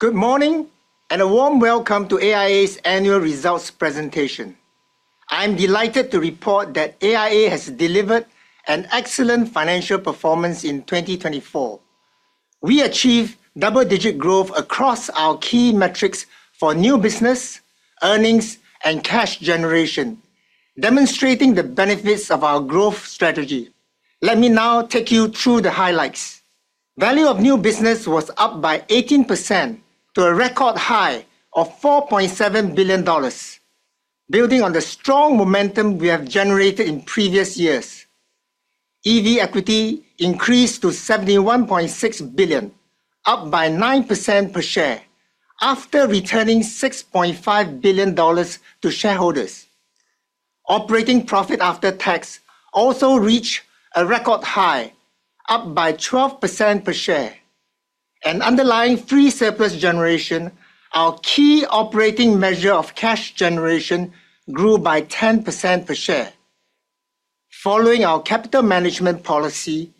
Good morning, and a warm welcome to AIA's annual results presentation. I am delighted to report that AIA has delivered an excellent financial performance in 2024. We achieved double-digit growth across our key metrics for new business, earnings, and cash generation, demonstrating the benefits of our growth strategy. Let me now take you through the highlights. Value of new business was up by 18% to a record high of $4.7 billion, building on the strong momentum we have generated in previous years. EV equity increased to $71.6 billion, up by 9% per share, after returning $6.5 billion to shareholders. Operating profit after tax also reached a record high, up by 12% per share. Underlying free surplus generation, our key operating measure of cash generation, grew by 10% per share. Following our capital management policy,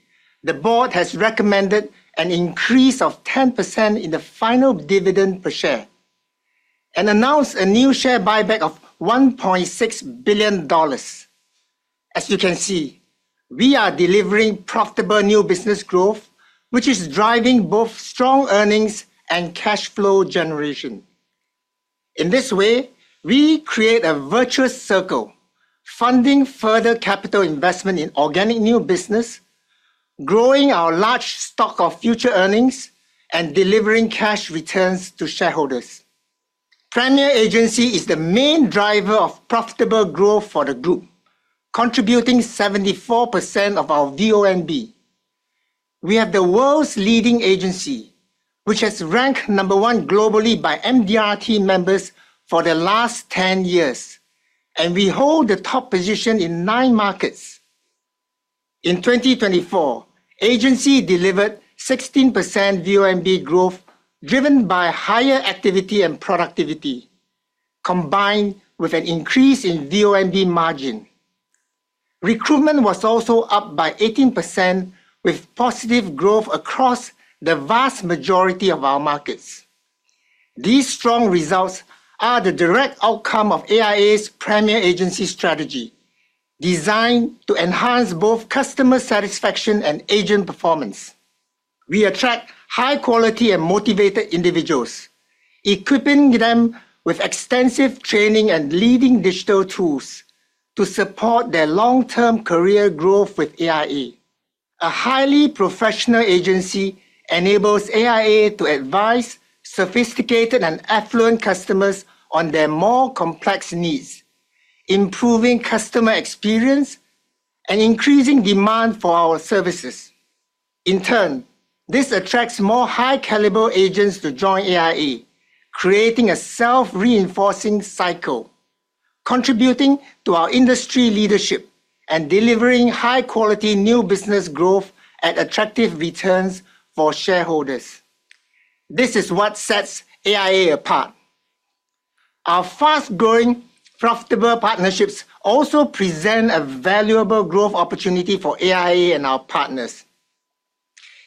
the board has recommended an increase of 10% in the final dividend per share and announced a new share buyback of $1.6 billion. As you can see, we are delivering profitable new business growth, which is driving both strong earnings and cash flow generation. In this way, we create a virtuous circle, funding further capital investment in organic new business, growing our large stock of future earnings, and delivering cash returns to shareholders. Premier Agency is the main driver of profitable growth for the group, contributing 74% of our VONB. We have the world's leading agency, which has ranked number one globally by MDRT members for the last 10 years, and we hold the top position in nine markets. In 2024, Agency delivered 16% VONB growth, driven by higher activity and productivity, combined with an increase in VONB margin. Recruitment was also up by 18%, with positive growth across the vast majority of our markets. These strong results are the direct outcome of AIA's Premier Agency strategy, designed to enhance both customer satisfaction and agent performance. We attract high-quality and motivated individuals, equipping them with extensive training and leading digital tools to support their long-term career growth with AIA. A highly professional agency enables AIA to advise sophisticated and affluent customers on their more complex needs, improving customer experience and increasing demand for our services. In turn, this attracts more high-caliber agents to join AIA, creating a self-reinforcing cycle, contributing to our industry leadership and delivering high-quality new business growth at attractive returns for shareholders. This is what sets AIA apart. Our fast-growing, profitable partnerships also present a valuable growth opportunity for AIA and our partners.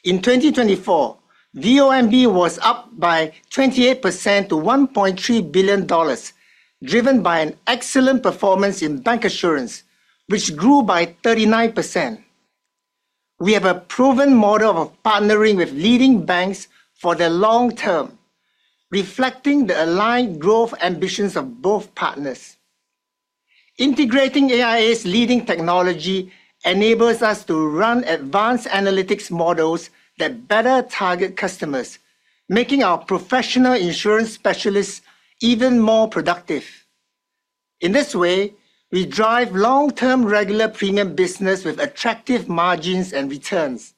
In 2024, VONB was up by 28% to $1.3 billion, driven by an excellent performance in bancassurance, which grew by 39%. We have a proven model of partnering with leading banks for the long term, reflecting the aligned growth ambitions of both partners. Integrating AIA's leading technology enables us to run advanced analytics models that better target customers, making our professional insurance specialists even more productive. In this way, we drive long-term regular premium business with attractive margins and returns.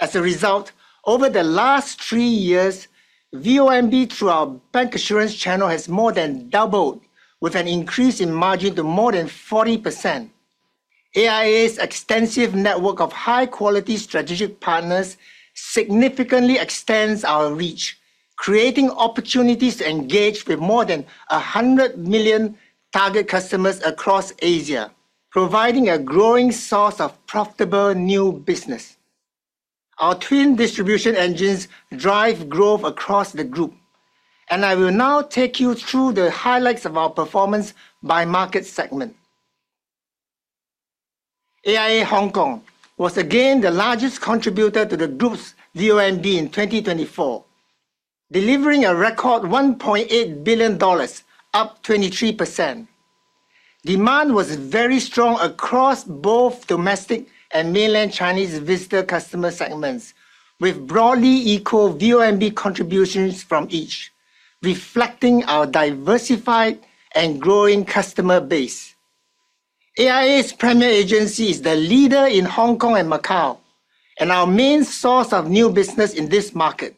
As a result, over the last three years, VONB through our bancassurance channel has more than doubled, with an increase in margin to more than 40%. AIA's extensive network of high-quality strategic partners significantly extends our reach, creating opportunities to engage with more than 100 million target customers across Asia, providing a growing source of profitable new business. Our twin distribution engines drive growth across the group, and I will now take you through the highlights of our performance by market segment. AIA Hong Kong was again the largest contributor to the group's VONB in 2024, delivering a record $1.8 billion, up 23%. Demand was very strong across both domestic and mainland Chinese visitor customer segments, with broadly equal VONB contributions from each, reflecting our diversified and growing customer base. AIA's Premier Agency is the leader in Hong Kong and Macau, and our main source of new business in this market.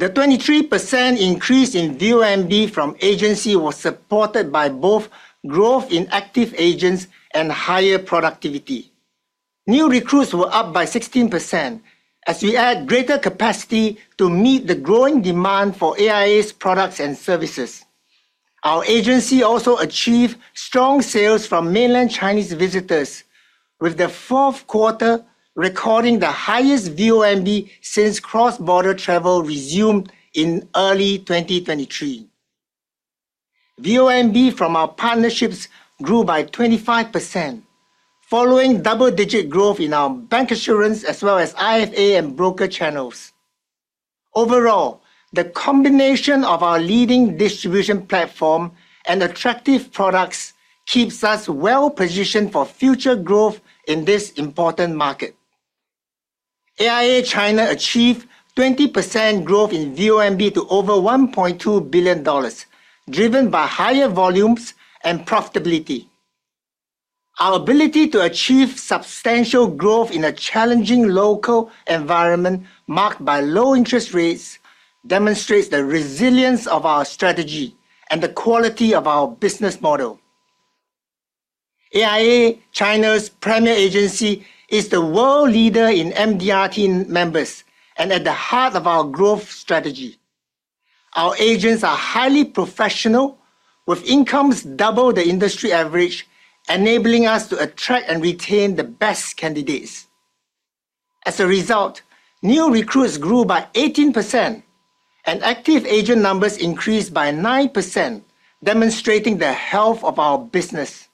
The 23% increase in VONB from Agency was supported by both growth in active agents and higher productivity. New recruits were up by 16% as we add greater capacity to meet the growing demand for AIA's products and services. Our agency also achieved strong sales from mainland Chinese visitors, with the fourth quarter recording the highest VONB since cross-border travel resumed in early 2023. VONB from our partnerships grew by 25%, following double-digit growth in our bancassurance as well as IFA and broker channels. Overall, the combination of our leading distribution platform and attractive products keeps us well-positioned for future growth in this important market. AIA China achieved 20% growth in VONB to over $1.2 billion, driven by higher volumes and profitability. Our ability to achieve substantial growth in a challenging local environment marked by low interest rates demonstrates the resilience of our strategy and the quality of our business model. AIA China's Premier Agency is the world leader in MDRT members and at the heart of our growth strategy. Our agents are highly professional, with incomes double the industry average, enabling us to attract and retain the best candidates. As a result, new recruits grew by 18%, and active agent numbers increased by 9%, demonstrating the health of our business.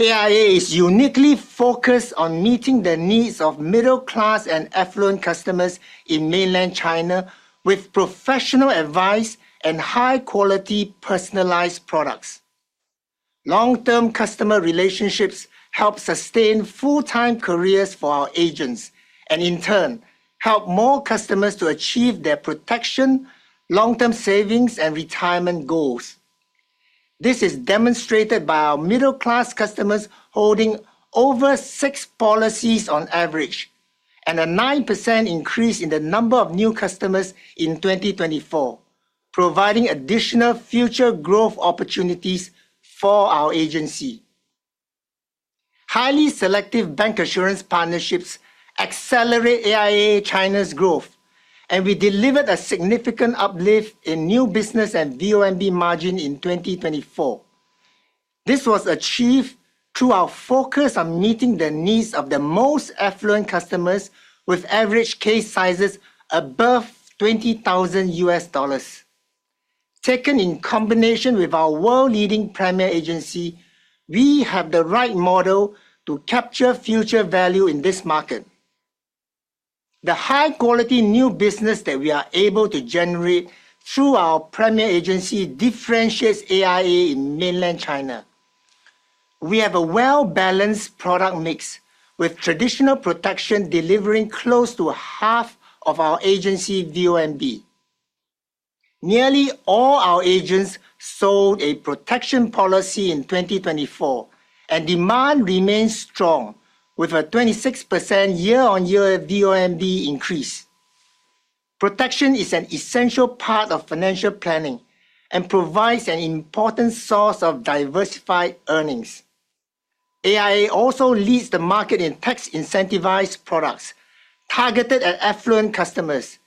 AIA is uniquely focused on meeting the needs of middle-class and affluent customers in mainland China, with professional advice and high-quality personalized products. Long-term customer relationships help sustain full-time careers for our agents and, in turn, help more customers to achieve their protection, long-term savings, and retirement goals. This is demonstrated by our middle-class customers holding over six policies on average and a 9% increase in the number of new customers in 2024, providing additional future growth opportunities for our agency. Highly selective bancassurance partnerships accelerate AIA China's growth, and we delivered a significant uplift in new business and VONB margin in 2024. This was achieved through our focus on meeting the needs of the most affluent customers with average case sizes above $20,000. Taken in combination with our world-leading Premier Agency, we have the right model to capture future value in this market. The high-quality new business that we are able to generate through our Premier Agency differentiates AIA in mainland China. We have a well-balanced product mix, with traditional protection delivering close to half of our agency VONB. Nearly all our agents sold a protection policy in 2024, and demand remains strong, with a 26% year-on-year VONB increase. Protection is an essential part of financial planning and provides an important source of diversified earnings. AIA also leads the market in tax-incentivized products targeted at affluent customers,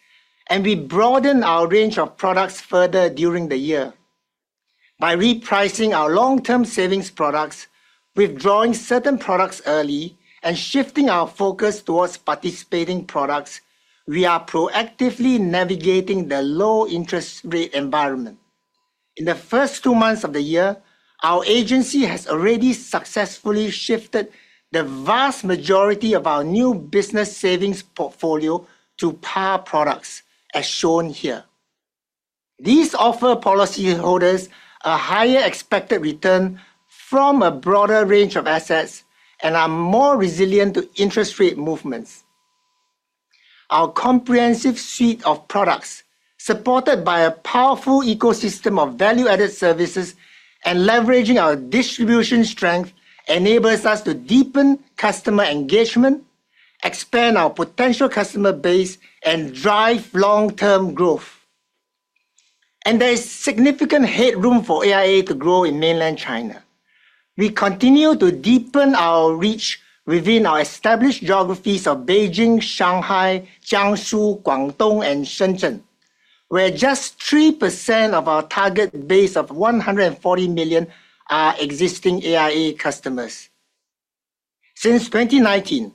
and we broaden our range of products further during the year. By repricing our long-term savings products, withdrawing certain products early, and shifting our focus towards participating products, we are proactively navigating the low-interest rate environment. In the first two months of the year, our agency has already successfully shifted the vast majority of our new business savings portfolio to PAR products, as shown here. These offer policyholders a higher expected return from a broader range of assets and are more resilient to interest rate movements. Our comprehensive suite of products, supported by a powerful ecosystem of value-added services and leveraging our distribution strength, enables us to deepen customer engagement, expand our potential customer base, and drive long-term growth. There is significant headroom for AIA to grow in mainland China. We continue to deepen our reach within our established geographies of Beijing, Shanghai, Jiangsu, Guangdong, and Shenzhen, where just 3% of our target base of 140 million are existing AIA customers. Since 2019,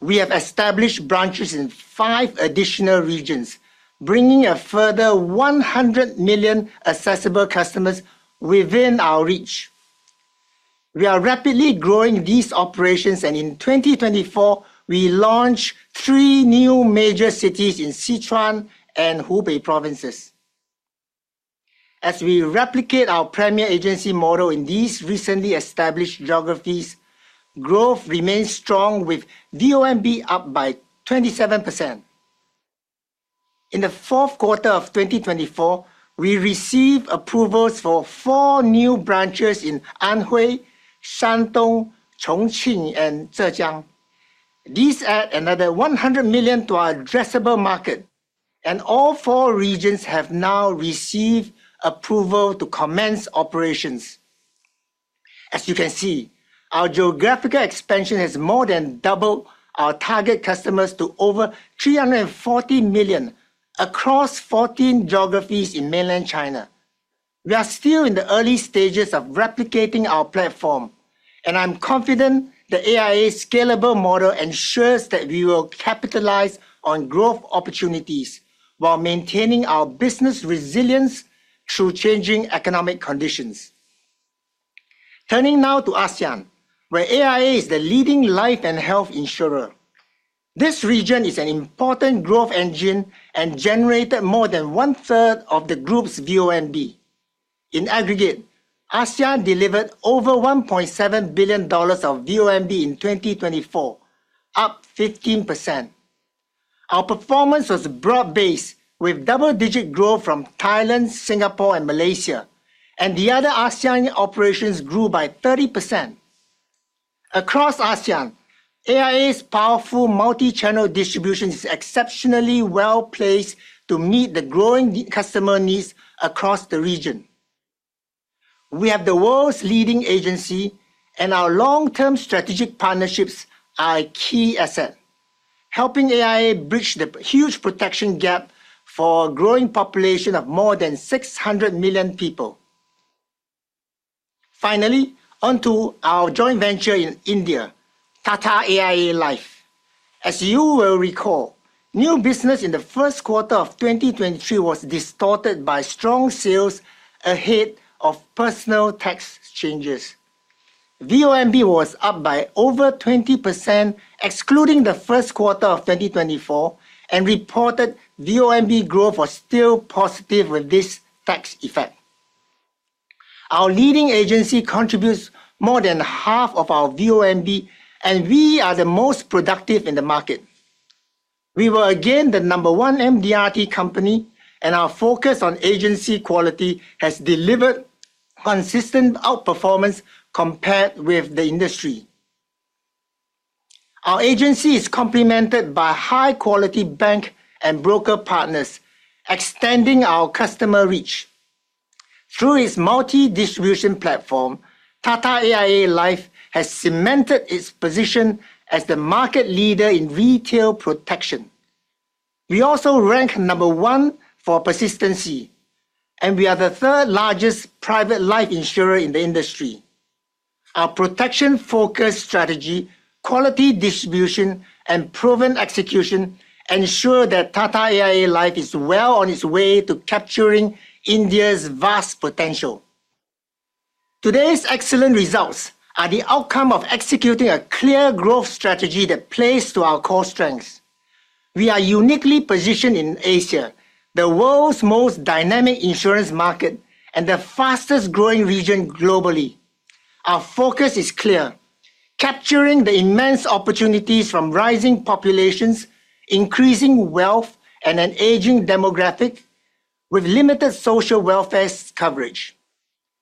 we have established branches in five additional regions, bringing a further 100 million accessible customers within our reach. We are rapidly growing these operations, and in 2024, we launched three new major cities in Sichuan and Hubei provinces. As we replicate our Premier Agency model in these recently established geographies, growth remains strong, with VONB up by 27%. In the fourth quarter of 2024, we received approvals for four new branches in Anhui, Shandong, Chongqing, and Zhejiang. These add another 100 million to our addressable market, and all four regions have now received approval to commence operations. As you can see, our geographical expansion has more than doubled our target customers to over 340 million across 14 geographies in mainland China. We are still in the early stages of replicating our platform, and I'm confident the AIA scalable model ensures that we will capitalize on growth opportunities while maintaining our business resilience through changing economic conditions. Turning now to ASEAN, where AIA is the leading life and health insurer. This region is an important growth engine and generated more than 1/3 of the group's VONB. In aggregate, ASEAN delivered over $1.7 billion of VONB in 2024, up 15%. Our performance was broad-based, with double-digit growth from Thailand, Singapore, and Malaysia, and the other ASEAN operations grew by 30%. Across ASEAN, AIA's powerful multi-channel distribution is exceptionally well-placed to meet the growing customer needs across the region. We have the world's leading agency, and our long-term strategic partnerships are a key asset, helping AIA bridge the huge protection gap for a growing population of more than 600 million people. Finally, onto our joint venture in India, Tata AIA Life. As you will recall, new business in the first quarter of 2023 was distorted by strong sales ahead of personal tax changes. VONB was up by over 20% excluding the first quarter of 2024, and reported VONB growth was still positive with this tax effect. Our leading agency contributes more than half of our VONB, and we are the most productive in the market. We were again the number one MDRT company, and our focus on agency quality has delivered consistent outperformance compared with the industry. Our agency is complemented by high-quality bank and broker partners, extending our customer reach. Through its multi-distribution platform, Tata AIA Life has cemented its position as the market leader in retail protection. We also rank number one for persistency, and we are the third-largest private life insurer in the industry. Our protection-focused strategy, quality distribution, and proven execution ensure that Tata AIA Life is well on its way to capturing India's vast potential. Today's excellent results are the outcome of executing a clear growth strategy that plays to our core strengths. We are uniquely positioned in Asia, the world's most dynamic insurance market and the fastest-growing region globally. Our focus is clear: capturing the immense opportunities from rising populations, increasing wealth, and an aging demographic with limited social welfare coverage.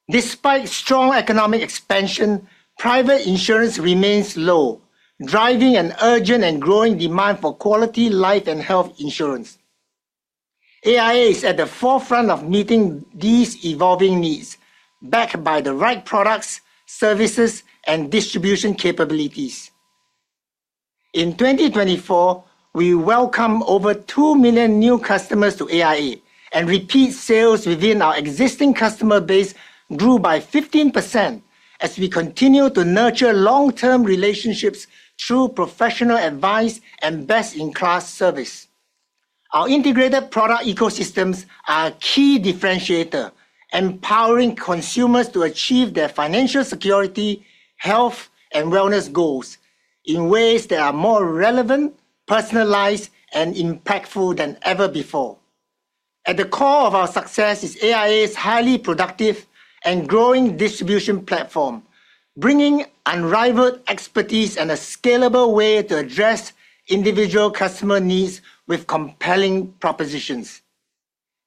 Despite strong economic expansion, private insurance remains low, driving an urgent and growing demand for quality life and health insurance. AIA is at the forefront of meeting these evolving needs, backed by the right products, services, and distribution capabilities. In 2024, we welcomed over 2 million new customers to AIA, and repeat sales within our existing customer base grew by 15% as we continue to nurture long-term relationships through professional advice and best-in-class service. Our integrated product ecosystems are a key differentiator, empowering consumers to achieve their financial security, health, and wellness goals in ways that are more relevant, personalized, and impactful than ever before. At the core of our success is AIA's highly productive and growing distribution platform, bringing unrivaled expertise and a scalable way to address individual customer needs with compelling propositions.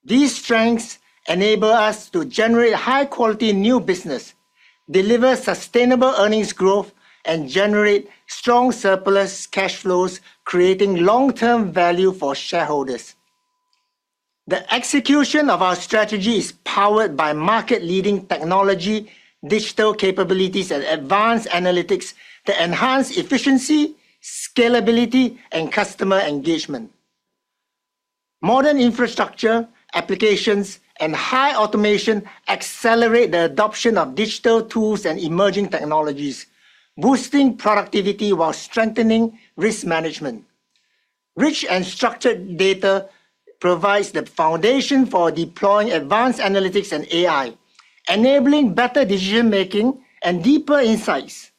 These strengths enable us to generate high-quality new business, deliver sustainable earnings growth, and generate strong surplus cash flows, creating long-term value for shareholders. The execution of our strategy is powered by market-leading technology, digital capabilities, and advanced analytics that enhance efficiency, scalability, and customer engagement. Modern infrastructure, applications, and high automation accelerate the adoption of digital tools and emerging technologies, boosting productivity while strengthening risk management. Rich and structured data provides the foundation for deploying advanced analytics and AI, enabling better decision-making and deeper insights.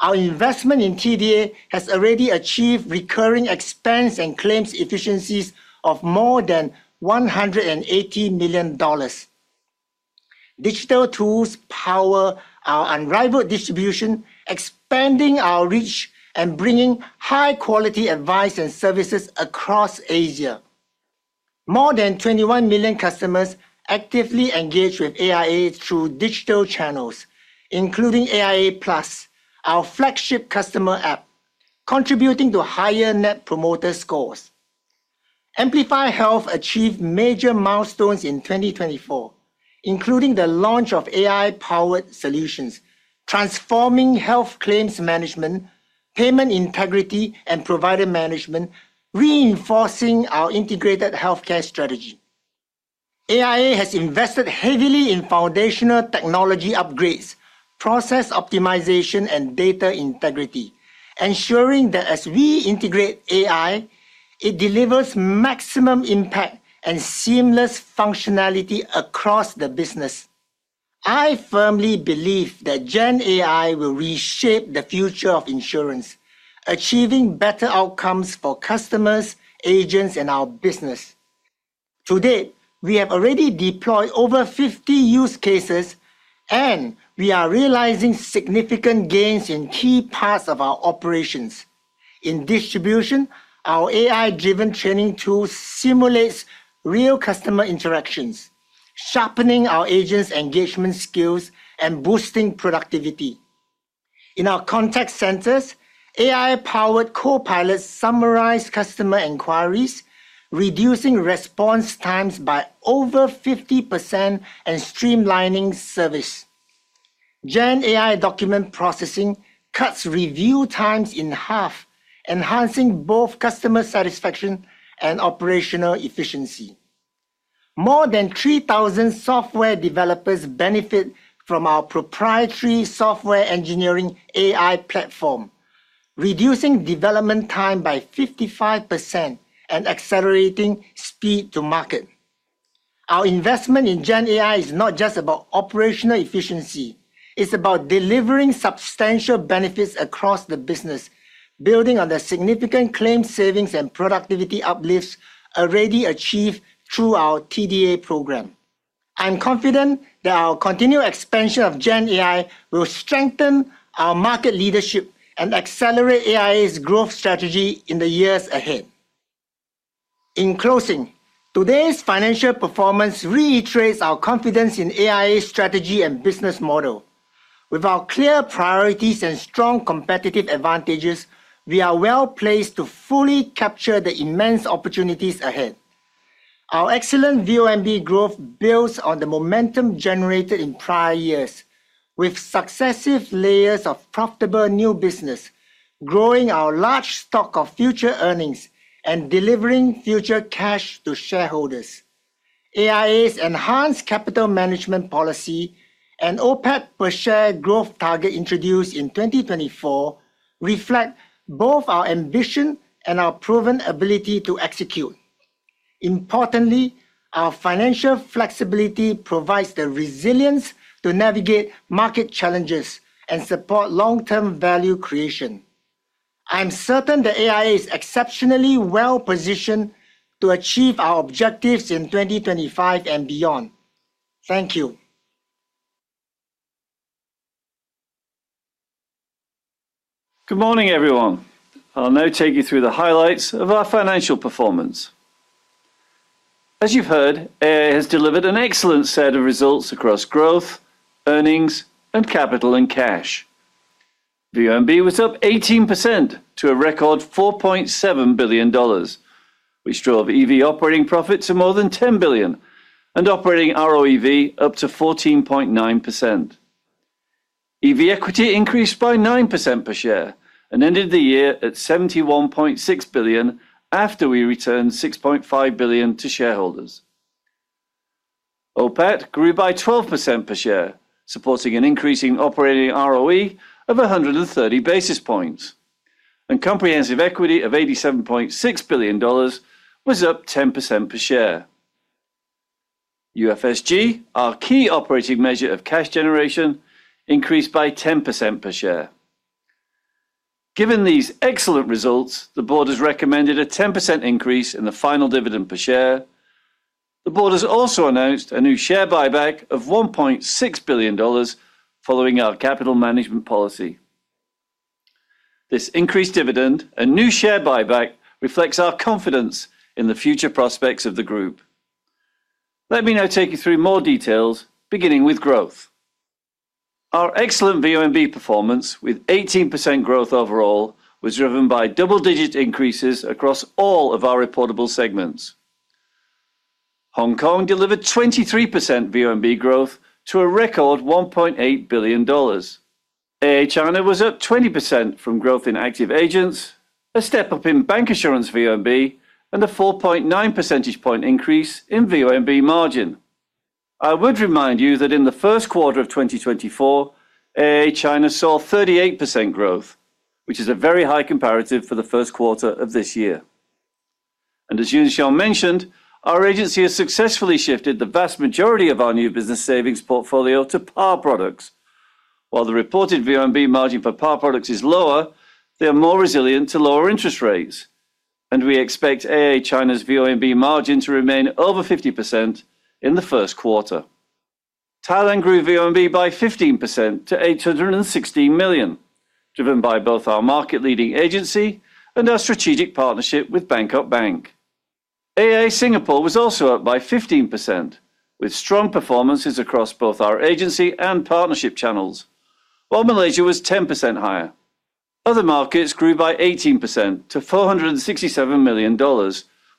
Our investment in TDA has already achieved recurring expense and claims efficiencies of more than $180 million. Digital tools power our unrivaled distribution, expanding our reach and bringing high-quality advice and services across Asia. More than 21 million customers actively engage with AIA through digital channels, including AIA+, our flagship customer app, contributing to higher Net Promoter Scores. Amplify Health achieved major milestones in 2024, including the launch of AI-powered solutions, transforming health claims management, payment integrity, and provider management, reinforcing our integrated healthcare strategy. AIA has invested heavily in foundational technology upgrades, process optimization, and data integrity, ensuring that as we integrate AI, it delivers maximum impact and seamless functionality across the business. I firmly believe that GenAI will reshape the future of insurance, achieving better outcomes for customers, agents, and our business. To date, we have already deployed over 50 use cases, and we are realizing significant gains in key parts of our operations. In distribution, our AI-driven training tool simulates real customer interactions, sharpening our agents' engagement skills and boosting productivity. In our contact centers, AI-powered copilots summarize customer inquiries, reducing response times by over 50% and streamlining service. GenAI document processing cuts review times in half, enhancing both customer satisfaction and operational efficiency. More than 3,000 software developers benefit from our proprietary software engineering AI platform, reducing development time by 55% and accelerating speed to market. Our investment in GenAI is not just about operational efficiency; it's about delivering substantial benefits across the business, building on the significant claim savings and productivity uplifts already achieved through our TDA program. I'm confident that our continued expansion of GenAI will strengthen our market leadership and accelerate AIA's growth strategy in the years ahead. In closing, today's financial performance reiterates our confidence in AIA's strategy and business model. With our clear priorities and strong competitive advantages, we are well-placed to fully capture the immense opportunities ahead. Our excellent VONB growth builds on the momentum generated in prior years, with successive layers of profitable new business, growing our large stock of future earnings and delivering future cash to shareholders. AIA's enhanced capital management policy and OPAT per-share growth target introduced in 2024 reflect both our ambition and our proven ability to execute. Importantly, our financial flexibility provides the resilience to navigate market challenges and support long-term value creation. I'm certain that AIA is exceptionally well-positioned to achieve our objectives in 2025 and beyond. Thank you. Good morning, everyone. I'll now take you through the highlights of our financial performance. As you've heard, AIA has delivered an excellent set of results across growth, earnings, and capital and cash. VONB was up 18% to a record $4.7 billion. We drove EV operating profits of more than $10 billion and operating ROEV up to 14.9%. EV equity increased by 9% per share and ended the year at $71.6 billion after we returned $6.5 billion to shareholders. OPAT grew by 12% per share, supporting an increasing operating ROE of 130 basis points, and comprehensive equity of $87.6 billion was up 10% per share. UFSG, our key operating measure of cash generation, increased by 10% per share. Given these excellent results, the board has recommended a 10% increase in the final dividend per share. The board has also announced a new share buyback of $1.6 billion following our capital management policy. This increased dividend and new share buyback reflects our confidence in the future prospects of the group. Let me now take you through more details, beginning with growth. Our excellent VONB performance, with 18% growth overall, was driven by double-digit increases across all of our reportable segments. Hong Kong delivered 23% VONB growth to a record $1.8 billion. AIA China was up 20% from growth in active agents, a step up in bancassurance VONB, and a 4.9 percentage point increase in VONB margin. I would remind you that in the first quarter of 2024, AIA China saw 38% growth, which is a very high comparative for the first quarter of this year. As Yuan Siong mentioned, our agency has successfully shifted the vast majority of our new business savings portfolio to PAR products. While the reported VONB margin for PAR products is lower, they are more resilient to lower interest rates, and we expect AIA China's VONB margin to remain over 50% in the first quarter. Thailand grew VONB by 15% to $816 million, driven by both our market-leading agency and our strategic partnership with Bangkok Bank. AIA Singapore was also up by 15%, with strong performances across both our agency and partnership channels, while Malaysia was 10% higher. Other markets grew by 18% to $467 million,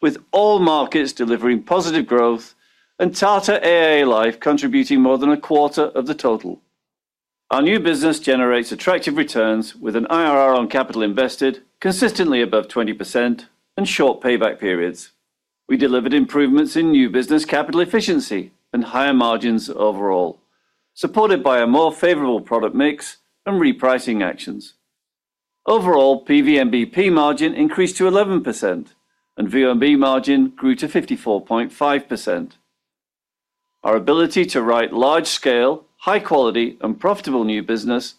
with all markets delivering positive growth and Tata AIA Life contributing more than a quarter of the total. Our new business generates attractive returns with an IRR on capital invested consistently above 20% and short payback periods. We delivered improvements in new business capital efficiency and higher margins overall, supported by a more favorable product mix and repricing actions. Overall, PVNBP margin increased to 11%, and VONB margin grew to 54.5%. Our ability to write large-scale, high-quality, and profitable new business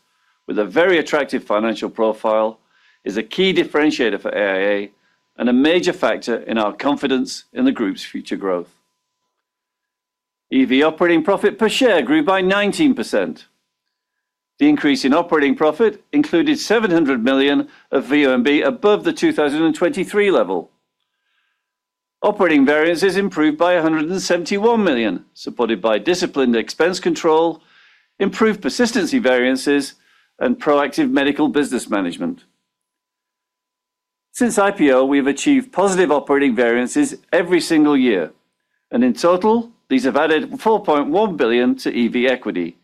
with a very attractive financial profile is a key differentiator for AIA and a major factor in our confidence in the group's future growth. EV operating profit per share grew by 19%. The increase in operating profit included $700 million of VONB above the 2023 level. Operating variances improved by $171 million, supported by disciplined expense control, improved persistency variances, and proactive medical business management. Since IPO, we have achieved positive operating variances every single year, and in total, these have added $4.1 billion to EV equity,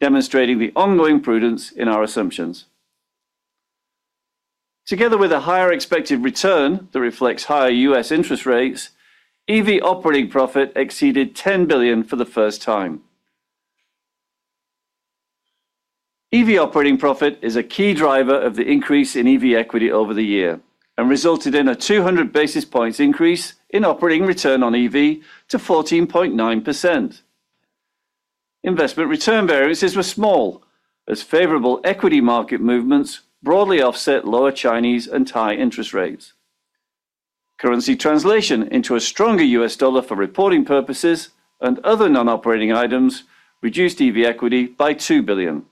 demonstrating the ongoing prudence in our assumptions. Together with a higher expected return that reflects higher U.S. interest rates, EV operating profit exceeded $10 billion for the first time. EV operating profit is a key driver of the increase in EV equity over the year and resulted in a 200 basis points increase in operating return on EV to 14.9%. Investment return variances were small, as favorable equity market movements broadly offset lower Chinese and Thai interest rates. Currency translation into a stronger US dollar for reporting purposes and other non-operating items reduced EV equity by $2 billion.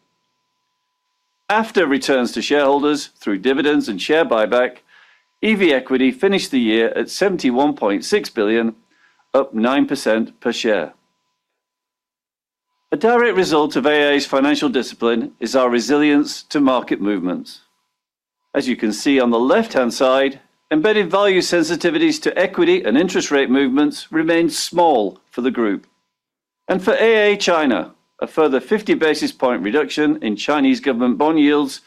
After returns to shareholders through dividends and share buyback, EV equity finished the year at $71.6 billion, up 9% per share. A direct result of AIA's financial discipline is our resilience to market movements. As you can see on the left-hand side, embedded value sensitivities to equity and interest rate movements remained small for the group. For AIA China, a further 50 basis point reduction in Chinese government bond yields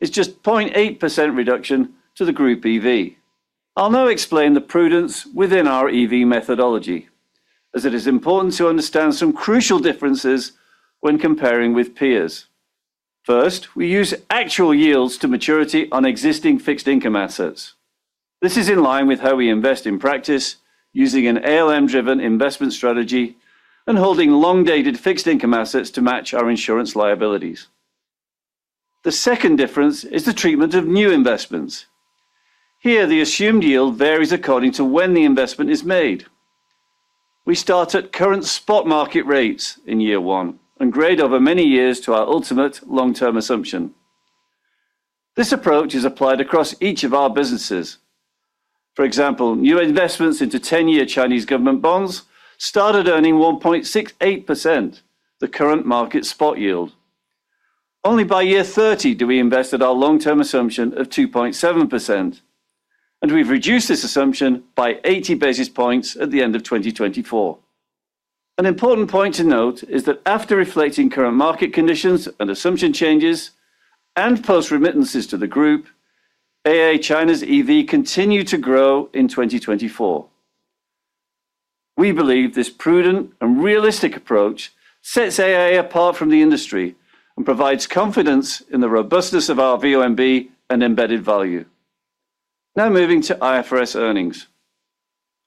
is just a 0.8% reduction to the group EV. I'll now explain the prudence within our EV methodology, as it is important to understand some crucial differences when comparing with peers. First, we use actual yields to maturity on existing fixed income assets. This is in line with how we invest in practice, using an ALM-driven investment strategy and holding long-dated fixed income assets to match our insurance liabilities. The second difference is the treatment of new investments. Here, the assumed yield varies according to when the investment is made. We start at current spot market rates in year one and grade over many years to our ultimate long-term assumption. This approach is applied across each of our businesses. For example, new investments into 10-year Chinese government bonds started earning 1.68%, the current market spot yield. Only by year 30 do we invest at our long-term assumption of 2.7%, and we've reduced this assumption by 80 basis points at the end of 2024. An important point to note is that after reflecting current market conditions and assumption changes and post-remittances to the group, AIA China's EV continued to grow in 2024. We believe this prudent and realistic approach sets AIA apart from the industry and provides confidence in the robustness of our VONB and embedded value. Now moving to IFRS earnings.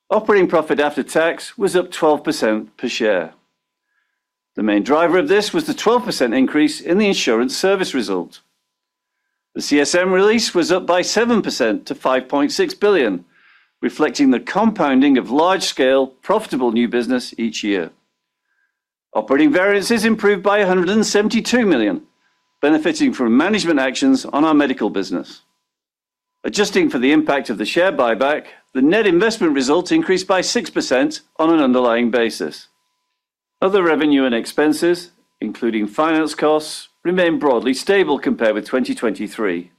Operating profit after tax was up 12% per share. The main driver of this was the 12% increase in the insurance service result. The CSM release was up by 7% to $5.6 billion, reflecting the compounding of large-scale, profitable new business each year. Operating variances improved by $172 million, benefiting from management actions on our medical business. Adjusting for the impact of the share buyback, the net investment result increased by 6% on an underlying basis. Other revenue and expenses, including finance costs, remain broadly stable compared with 2023.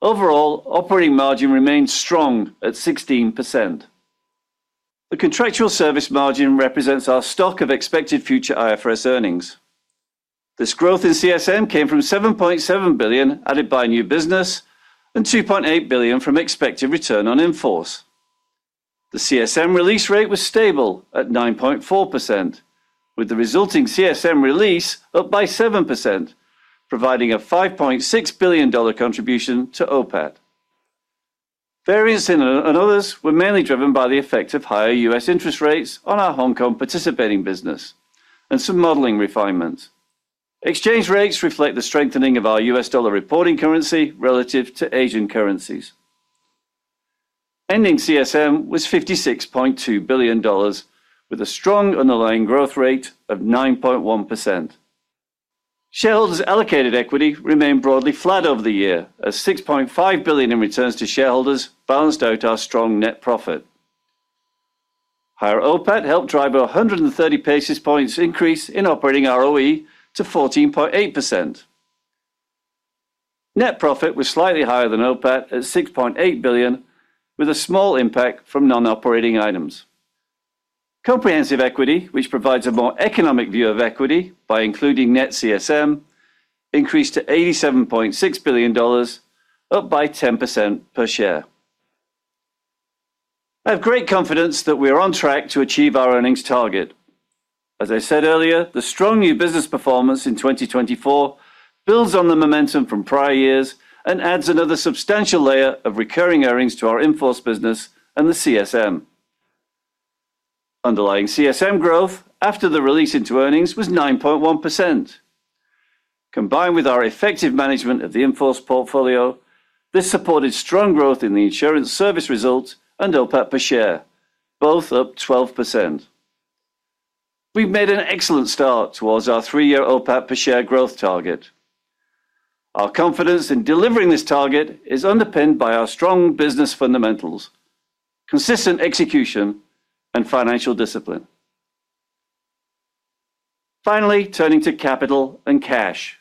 Overall, operating margin remained strong at 16%. The contractual service margin represents our stock of expected future IFRS earnings. This growth in CSM came from $7.7 billion added by new business and $2.8 billion from expected return on in-force. The CSM release rate was stable at 9.4%, with the resulting CSM release up by 7%, providing a $5.6 billion contribution to OPAT. Variance in and others were mainly driven by the effect of higher U.S. interest rates on our Hong Kong participating business and some modeling refinements. Exchange rates reflect the strengthening of our US dollar reporting currency relative to Asian currencies. Ending CSM was $56.2 billion, with a strong underlying growth rate of 9.1%. Shareholders allocated equity remained broadly flat over the year, as $6.5 billion in returns to shareholders balanced out our strong net profit. Higher OPAT helped drive a 130 basis points increase in operating ROE to 14.8%. Net profit was slightly higher than OPAT at $6.8 billion, with a small impact from non-operating items. Comprehensive equity, which provides a more economic view of equity by including net CSM, increased to $87.6 billion, up by 10% per share. I have great confidence that we are on track to achieve our earnings target. As I said earlier, the strong new business performance in 2024 builds on the momentum from prior years and adds another substantial layer of recurring earnings to our in-force business and the CSM. Underlying CSM growth after the release into earnings was 9.1%. Combined with our effective management of the in-force portfolio, this supported strong growth in the insurance service result and OPAT per share, both up 12%. We've made an excellent start towards our three-year OPAT per share growth target. Our confidence in delivering this target is underpinned by our strong business fundamentals, consistent execution, and financial discipline. Finally, turning to capital and cash.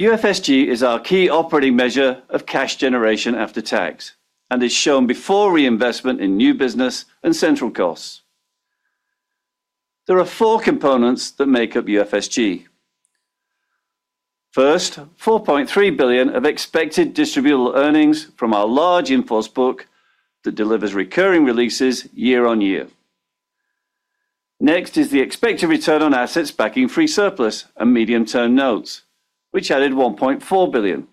UFSG is our key operating measure of cash generation after tax and is shown before reinvestment in new business and central costs. There are four components that make up UFSG. First, $4.3 billion of expected distributable earnings from our large in-force book that delivers recurring releases year-on-year. Next is the expected return on assets backing free surplus and medium-term notes, which added $1.4 billion.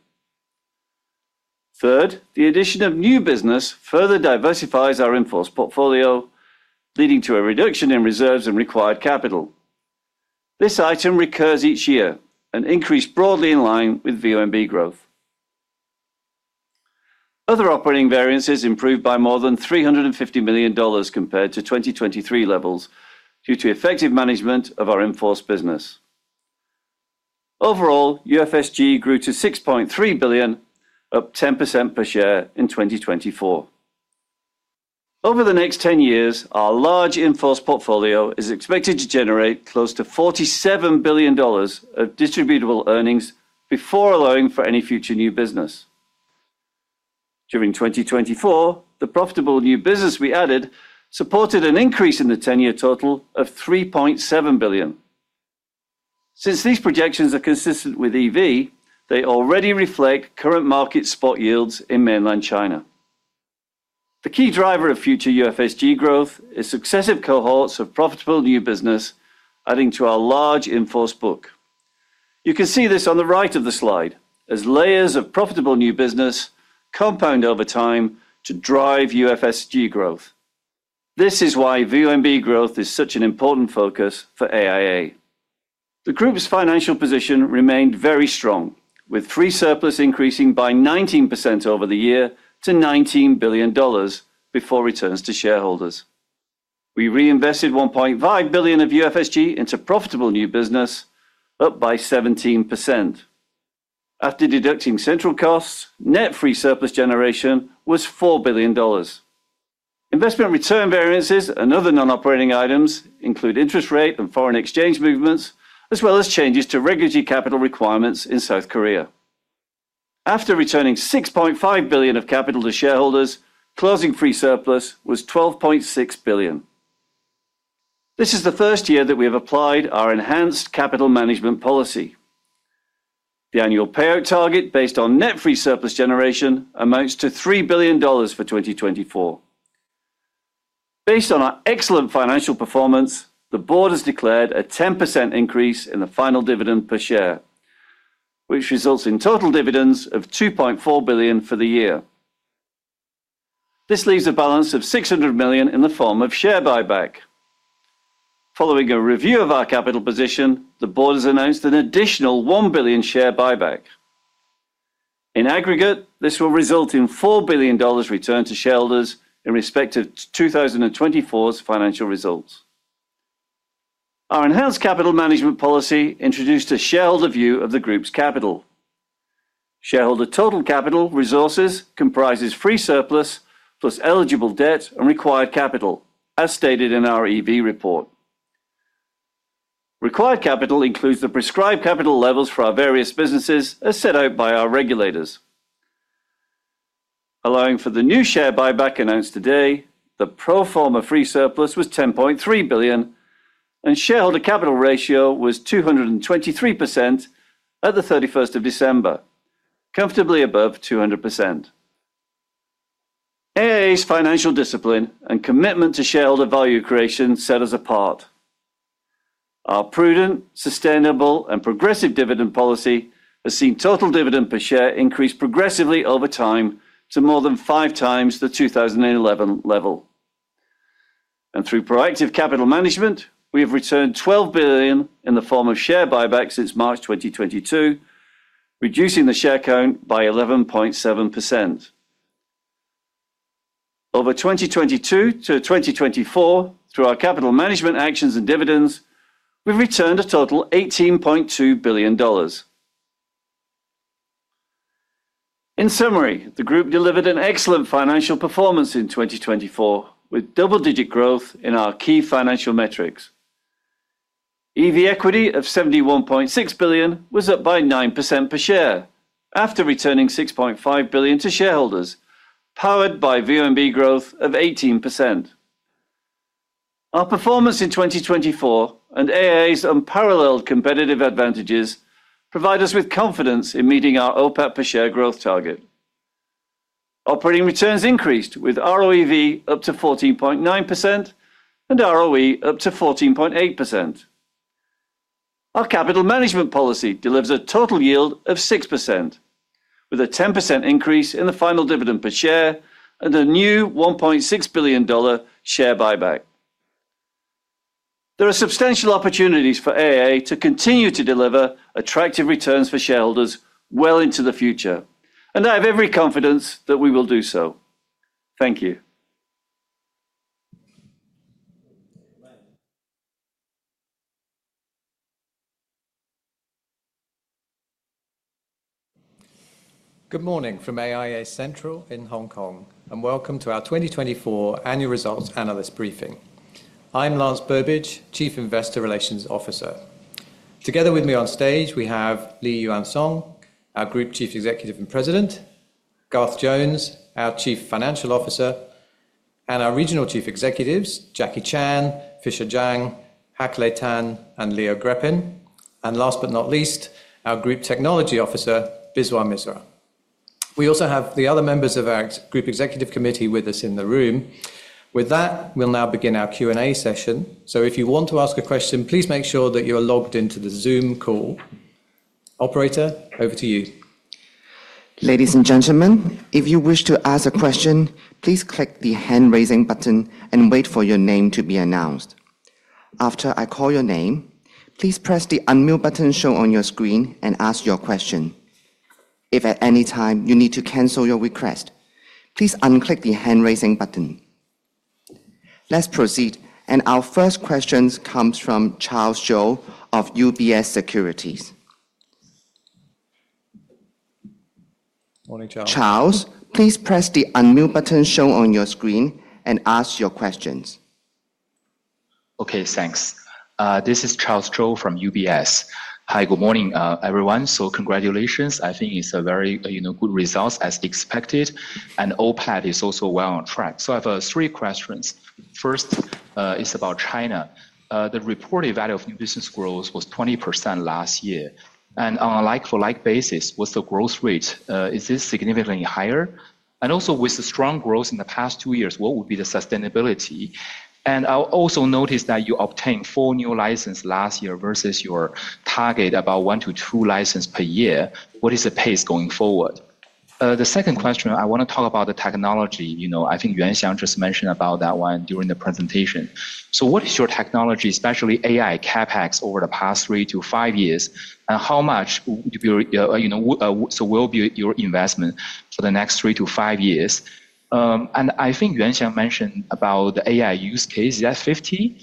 Third, the addition of new business further diversifies our in-force portfolio, leading to a reduction in reserves and required capital. This item recurs each year and increased broadly in line with VONB growth. Other operating variances improved by more than $350 million compared to 2023 levels due to effective management of our in-force business. Overall, UFSG grew to $6.3 billion, up 10% per share in 2024. Over the next 10 years, our large in-force portfolio is expected to generate close to $47 billion of distributable earnings before allowing for any future new business. During 2024, the profitable new business we added supported an increase in the 10-year total of $3.7 billion. Since these projections are consistent with EV, they already reflect current market spot yields in mainland China. The key driver of future UFSG growth is successive cohorts of profitable new business adding to our large in-force book. You can see this on the right of the slide, as layers of profitable new business compound over time to drive UFSG growth. This is why VONB growth is such an important focus for AIA. The group's financial position remained very strong, with free surplus increasing by 19% over the year to $19 billion before returns to shareholders. We reinvested $1.5 billion of UFSG into profitable new business, up by 17%. After deducting central costs, net free surplus generation was $4 billion. Investment return variances and other non-operating items include interest rate and foreign exchange movements, as well as changes to regulatory capital requirements in South Korea. After returning $6.5 billion of capital to shareholders, closing free surplus was $12.6 billion. This is the first year that we have applied our enhanced capital management policy. The annual payout target based on net free surplus generation amounts to $3 billion for 2024. Based on our excellent financial performance, the board has declared a 10% increase in the final dividend per share, which results in total dividends of $2.4 billion for the year. This leaves a balance of $600 million in the form of share buyback. Following a review of our capital position, the board has announced an additional $1 billion share buyback. In aggregate, this will result in $4 billion return to shareholders in respect of 2024's financial results. Our enhanced capital management policy introduced a shareholder view of the group's capital. Shareholder total capital resources comprises free surplus plus eligible debt and required capital, as stated in our EV report. Required capital includes the prescribed capital levels for our various businesses as set out by our regulators. Allowing for the new share buyback announced today, the pro forma free surplus was $10.3 billion, and shareholder capital ratio was 223% at the 31st of December, comfortably above 200%. AIA's financial discipline and commitment to shareholder value creation set us apart. Our prudent, sustainable, and progressive dividend policy has seen total dividend per share increase progressively over time to more than 5x the 2011 level. Through proactive capital management, we have returned $12 billion in the form of share buyback since March 2022, reducing the share count by 11.7%. Over 2022 to 2024, through our capital management actions and dividends, we've returned a total of $18.2 billion. In summary, the group delivered an excellent financial performance in 2024, with double-digit growth in our key financial metrics. EV equity of $71.6 billion was up by 9% per share after returning $6.5 billion to shareholders, powered by VONB growth of 18%. Our performance in 2024 and AIA's unparalleled competitive advantages provide us with confidence in meeting our OPAT per share growth target. Operating returns increased, with ROEV up to 14.9% and ROE up to 14.8%. Our capital management policy delivers a total yield of 6%, with a 10% increase in the final dividend per share and a new $1.6 billion share buyback. There are substantial opportunities for AIA to continue to deliver attractive returns for shareholders well into the future, and I have every confidence that we will do so. Thank you. Good morning from AIA Central in Hong Kong, and welcome to our 2024 Annual Results Analyst Briefing. I'm Lance Burbidge, Chief Investor Relations Officer. Together with me on stage, we have Lee Yuan Siong, our Group Chief Executive and President, Garth Jones, our Chief Financial Officer, and our Regional Chief Executives, Jacky Chan, Fisher Zhang, Hak Leh Tan, and Leo Grepin. Last but not least, our Group Technology Officer, Biswa Misra. We also have the other members of our Group Executive Committee with us in the room. With that, we will now begin our Q&A session. If you want to ask a question, please make sure that you are logged into the Zoom call. Operator, over to you. Ladies and gentlemen, if you wish to ask a question, please click the hand-raising button and wait for your name to be announced. After I call your name, please press the unmute button shown on your screen and ask your question. If at any time you need to cancel your request, please unclick the hand-raising button. Let's proceed, and our first question comes from Charles Zhou of UBS Securities. Morning, Charles. Charles, please press the unmute button shown on your screen and ask your questions. Okay, thanks. This is Charles Zhou from UBS. Hi, good morning, everyone. Congratulations. I think it's a very good result, as expected, and OPAT is also well on track. I have three questions. First is about China. The reported value of new business growth was 20% last year. On a like-for-like basis, what's the growth rate? Is this significantly higher? Also, with the strong growth in the past two years, what would be the sustainability? I also noticed that you obtained four new licenses last year versus your target of about one to two licenses per year. What is the pace going forward? The second question, I want to talk about the technology. I think Yuan Siong just mentioned about that one during the presentation. What is your technology, especially AI, CapEx, over the past three to five years, and how much will be your investment for the next three to five years? I think Yuan Siong mentioned about the AI use case. Is that 50?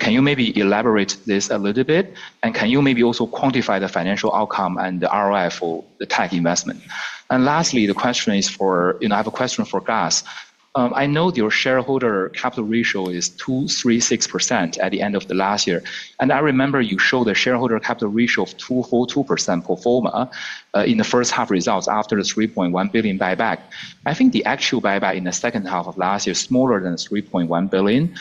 Can you maybe elaborate this a little bit? Can you maybe also quantify the financial outcome and the ROI for the tech investment? Lastly, the question is for, I have a question for Garth. I know your shareholder capital ratio is 236% at the end of last year. I remember you showed a shareholder capital ratio of 242% pro forma in the first half results after the $3.1 billion buyback. I think the actual buyback in the second half of last year was smaller than $3.1 billion.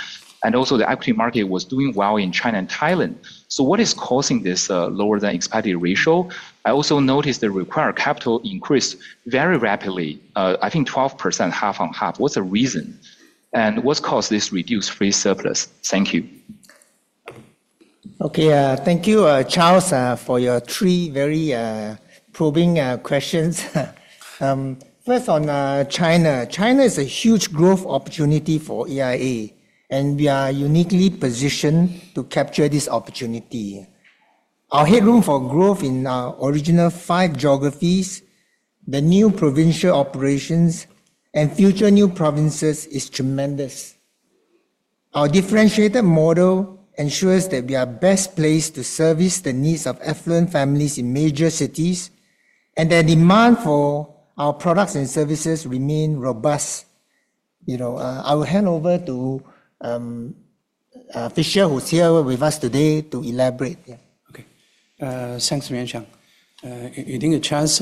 Also, the equity market was doing well in China and Thailand. What is causing this lower-than-expected ratio? I also noticed the required capital increased very rapidly, I think 12% half-on-half. What's the reason? What caused this reduced free surplus? Thank you. Thank you, Charles, for your three very probing questions. First, on China. China is a huge growth opportunity for AIA, and we are uniquely positioned to capture this opportunity. Our headroom for growth in our original five geographies, the new provincial operations, and future new provinces is tremendous. Our differentiated model ensures that we are best placed to service the needs of affluent families in major cities, and the demand for our products and services remains robust. I will hand over to Fisher, who's here with us today, to elaborate. Thank you, Yuan Siong. I think, Charles,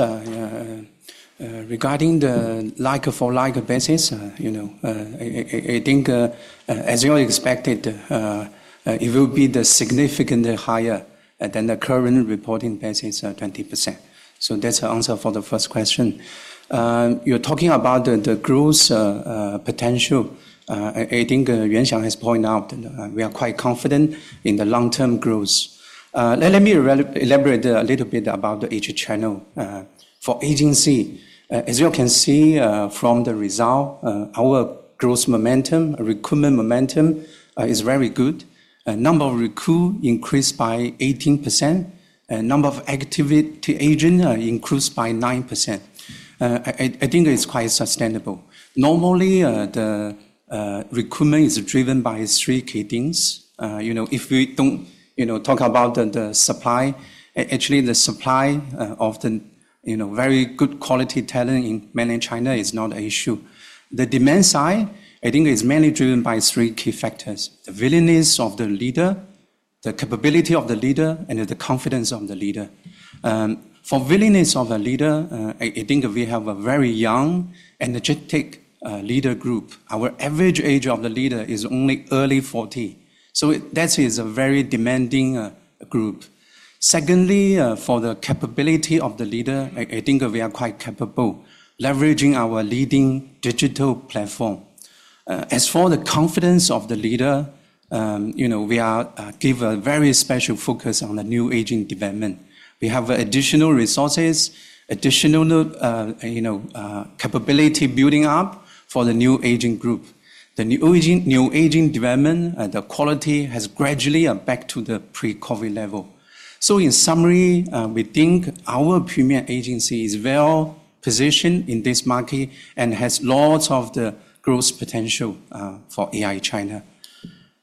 regarding the like-for-like basis, I think, as you expected, it will be significantly higher than the current reporting basis, 20%. That is the answer for the first question. You're talking about the growth potential. I think Yuan Siong has pointed out we are quite confident in the long-term growth. Let me elaborate a little bit about the HR channel. For agency, as you can see from the result, our growth momentum, recruitment momentum is very good. The number of recruits increased by 18%, and the number of activity agents increased by 9%. I think it's quite sustainable. Normally, the recruitment is driven by three key things. If we do not talk about the supply, actually, the supply of the very good quality talent in mainland China is not an issue. The demand side, I think, is mainly driven by three key factors: the willingness of the leader, the capability of the leader, and the confidence of the leader. For the willingness of a leader, I think we have a very young, energetic leader group. Our average age of the leader is only early 40. That is a very demanding group. Secondly, for the capability of the leader, I think we are quite capable, leveraging our leading digital platform. As for the confidence of the leader, we give a very special focus on the new agent development. We have additional resources, additional capability building up for the new agent group. The new agent development, the quality has gradually backed to the pre-COVID level. In summary, we think our Premier Agency is well positioned in this market and has lots of the growth potential for AIA China.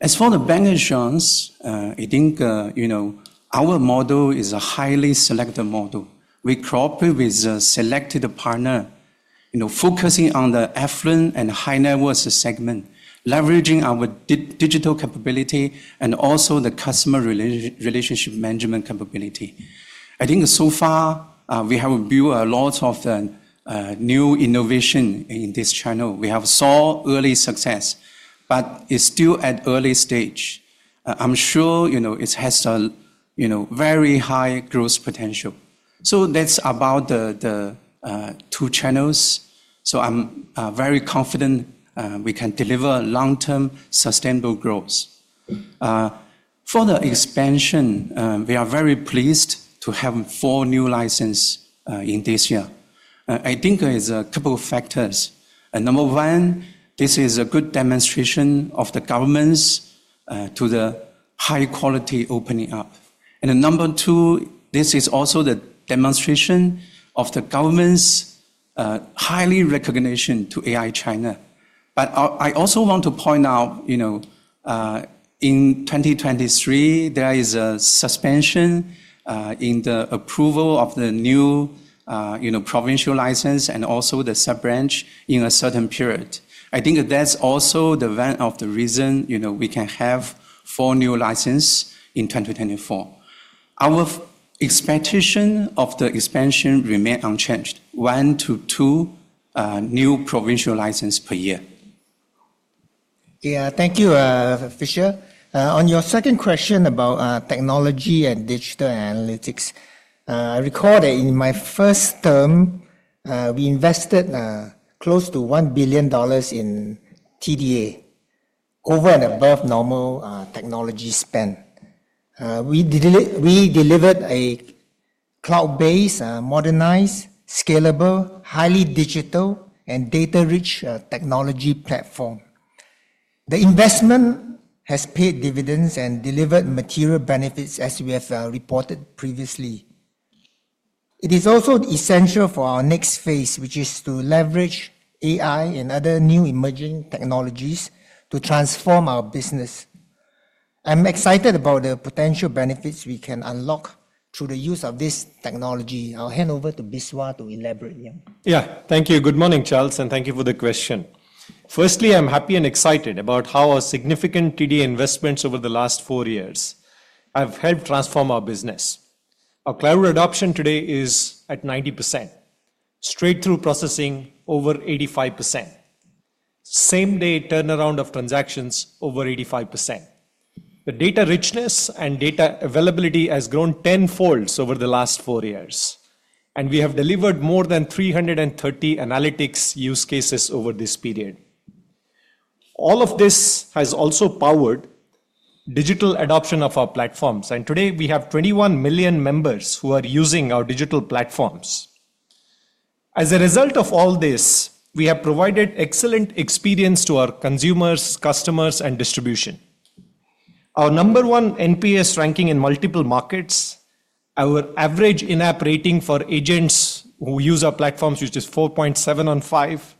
As for the bank insurance, I think our model is a highly selective model. We cooperate with a selected partner, focusing on the affluent and high-net-worth segment, leveraging our digital capability and also the customer relationship management capability. I think so far, we have built a lot of new innovation in this channel. We have seen early success, but it's still at an early stage. I'm sure it has a very high growth potential. That is about the two channels. I am very confident we can deliver long-term sustainable growth. For the expansion, we are very pleased to have four new licenses in this year. I think there are a couple of factors. Number one, this is a good demonstration of the government's high-quality opening up. Number two, this is also the demonstration of the government's high recognition of AIA China. I also want to point out, in 2023, there is a suspension in the approval of the new provincial license and also the sub-branch in a certain period. I think that's also one of the reasons we can have four new licenses in 2024. Our expectation of the expansion remains unchanged: one to two new provincial licenses per year. Yeah, thank you, Fisher. On your second question about technology and digital analytics, I recall that in my first term, we invested close to $1 billion in TDA, over and above normal technology spend. We delivered a cloud-based, modernized, scalable, highly digital, and data-rich technology platform. The investment has paid dividends and delivered material benefits, as we have reported previously. It is also essential for our next phase, which is to leverage AI and other new emerging technologies to transform our business. I'm excited about the potential benefits we can unlock through the use of this technology. I'll hand over to Biswa to elaborate. Yeah, thank you. Good morning, Charles, and thank you for the question. Firstly, I'm happy and excited about how our significant TDA investments over the last four years have helped transform our business. Our cloud adoption today is at 90%. Straight-through processing, over 85%. Same-day turnaround of transactions, over 85%. The data richness and data availability has grown tenfold over the last four years. We have delivered more than 330 analytics use cases over this period. All of this has also powered digital adoption of our platforms. Today, we have 21 million members who are using our digital platforms. As a result of all this, we have provided excellent experience to our consumers, customers, and distribution. Our number one NPS ranking in multiple markets, our average in-app rating for agents who use our platforms, which is 4.7 on 5,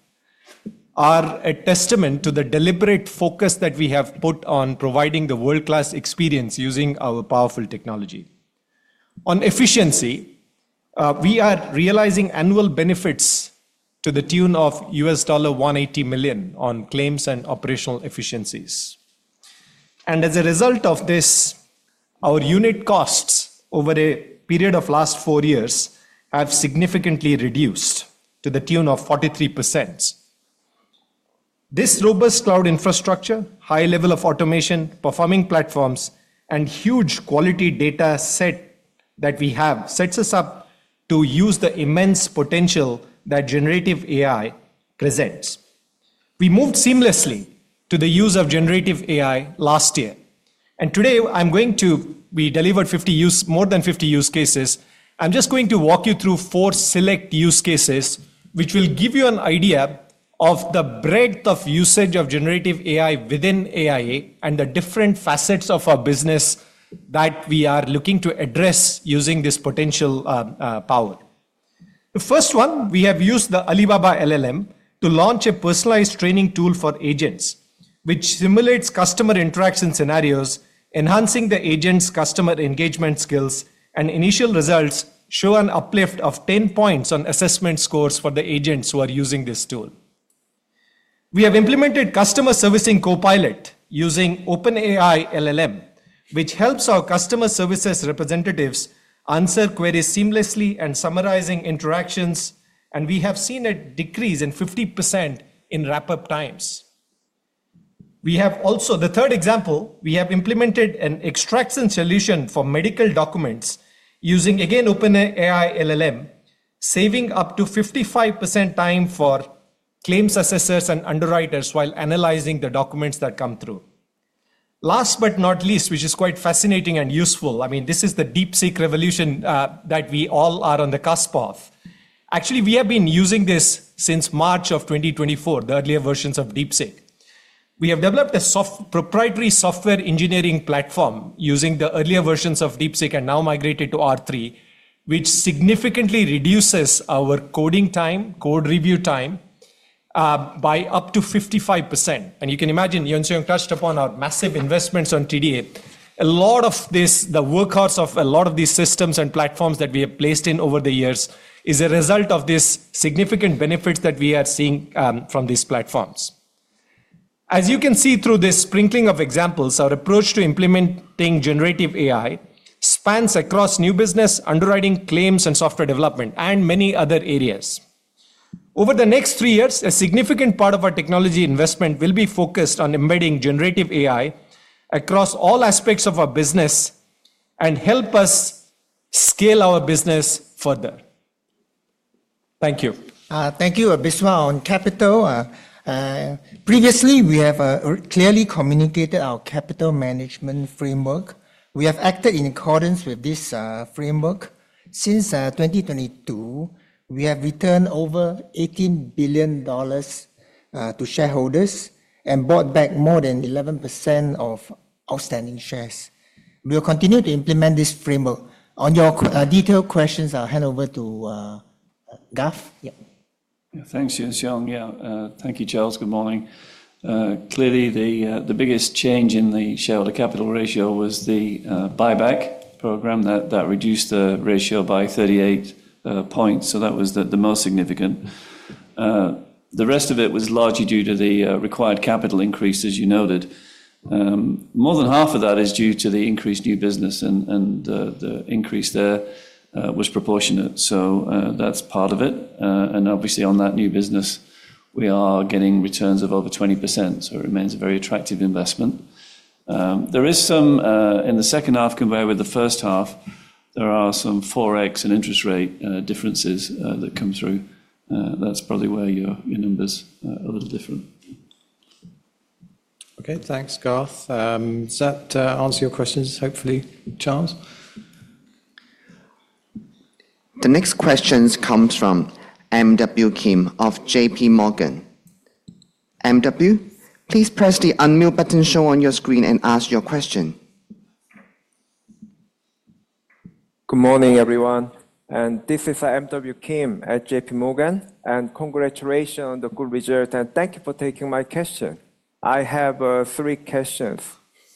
are a testament to the deliberate focus that we have put on providing the world-class experience using our powerful technology. On efficiency, we are realizing annual benefits to the tune of $180 million on claims and operational efficiencies. As a result of this, our unit costs over a period of last four years have significantly reduced to the tune of 43%. This robust cloud infrastructure, high level of automation, performing platforms, and huge quality data set that we have sets us up to use the immense potential that generative AI presents. We moved seamlessly to the use of generative AI last year. Today, I'm going to be delivering more than 50 use cases. I'm just going to walk you through four select use cases, which will give you an idea of the breadth of usage of generative AI within AIA and the different facets of our business that we are looking to address using this potential power. The first one, we have used the Alibaba LLM to launch a personalized training tool for agents, which simulates customer interaction scenarios, enhancing the agent's customer engagement skills, and initial results show an uplift of 10 points on assessment scores for the agents who are using this tool. We have implemented customer servicing Copilot using OpenAI LLM, which helps our customer services representatives answer queries seamlessly and summarize interactions, and we have seen a decrease in 50% in wrap-up times. We have also the third example. We have implemented an extraction solution for medical documents using, again, OpenAI LLM, saving up to 55% time for claims assessors and underwriters while analyzing the documents that come through. Last but not least, which is quite fascinating and useful, I mean, this is the DeepSeek revolution that we all are on the cusp of. Actually, we have been using this since March of 2024, the earlier versions of DeepSeek. We have developed a proprietary software engineering platform using the earlier versions of DeepSeek and now migrated to R3, which significantly reduces our coding time, code review time, by up to 55%. You can imagine, Yuan Siong touched upon our massive investments on TDA. A lot of this, the workhorse of a lot of these systems and platforms that we have placed in over the years, is a result of these significant benefits that we are seeing from these platforms. As you can see through this sprinkling of examples, our approach to implementing generative AI spans across new business, underwriting, claims, and software development, and many other areas. Over the next three years, a significant part of our technology investment will be focused on embedding generative AI across all aspects of our business and help us scale our business further. Thank you. Thank you, Biswa, on capital. Previously, we have clearly communicated our capital management framework. We have acted in accordance with this framework. Since 2022, we have returned over $18 billion to shareholders and bought back more than 11% of outstanding shares. We will continue to implement this framework. On your detailed questions, I'll hand over to Garth. Yeah, thanks, Yuan Siong. Yeah, thank you, Charles. Good morning. Clearly, the biggest change in the shareholder capital ratio was the buyback program that reduced the ratio by 38 points. That was the most significant. The rest of it was largely due to the required capital increase, as you noted. More than half of that is due to the increased new business, and the increase there was proportionate. That is part of it. Obviously, on that new business, we are getting returns of over 20%. It remains a very attractive investment. There is some, in the second half compared with the first half, there are some forex and interest rate differences that come through. That is probably where your numbers are a little different. Okay, thanks, Garth. Does that answer your questions, hopefully, Charles? The next question comes from MW Kim of JPMorgan. MW, please press the unmute button shown on your screen and ask your question. Good morning, everyone. This is MW Kim at JPMorgan. Congratulations on the good result. Thank you for taking my question. I have three questions.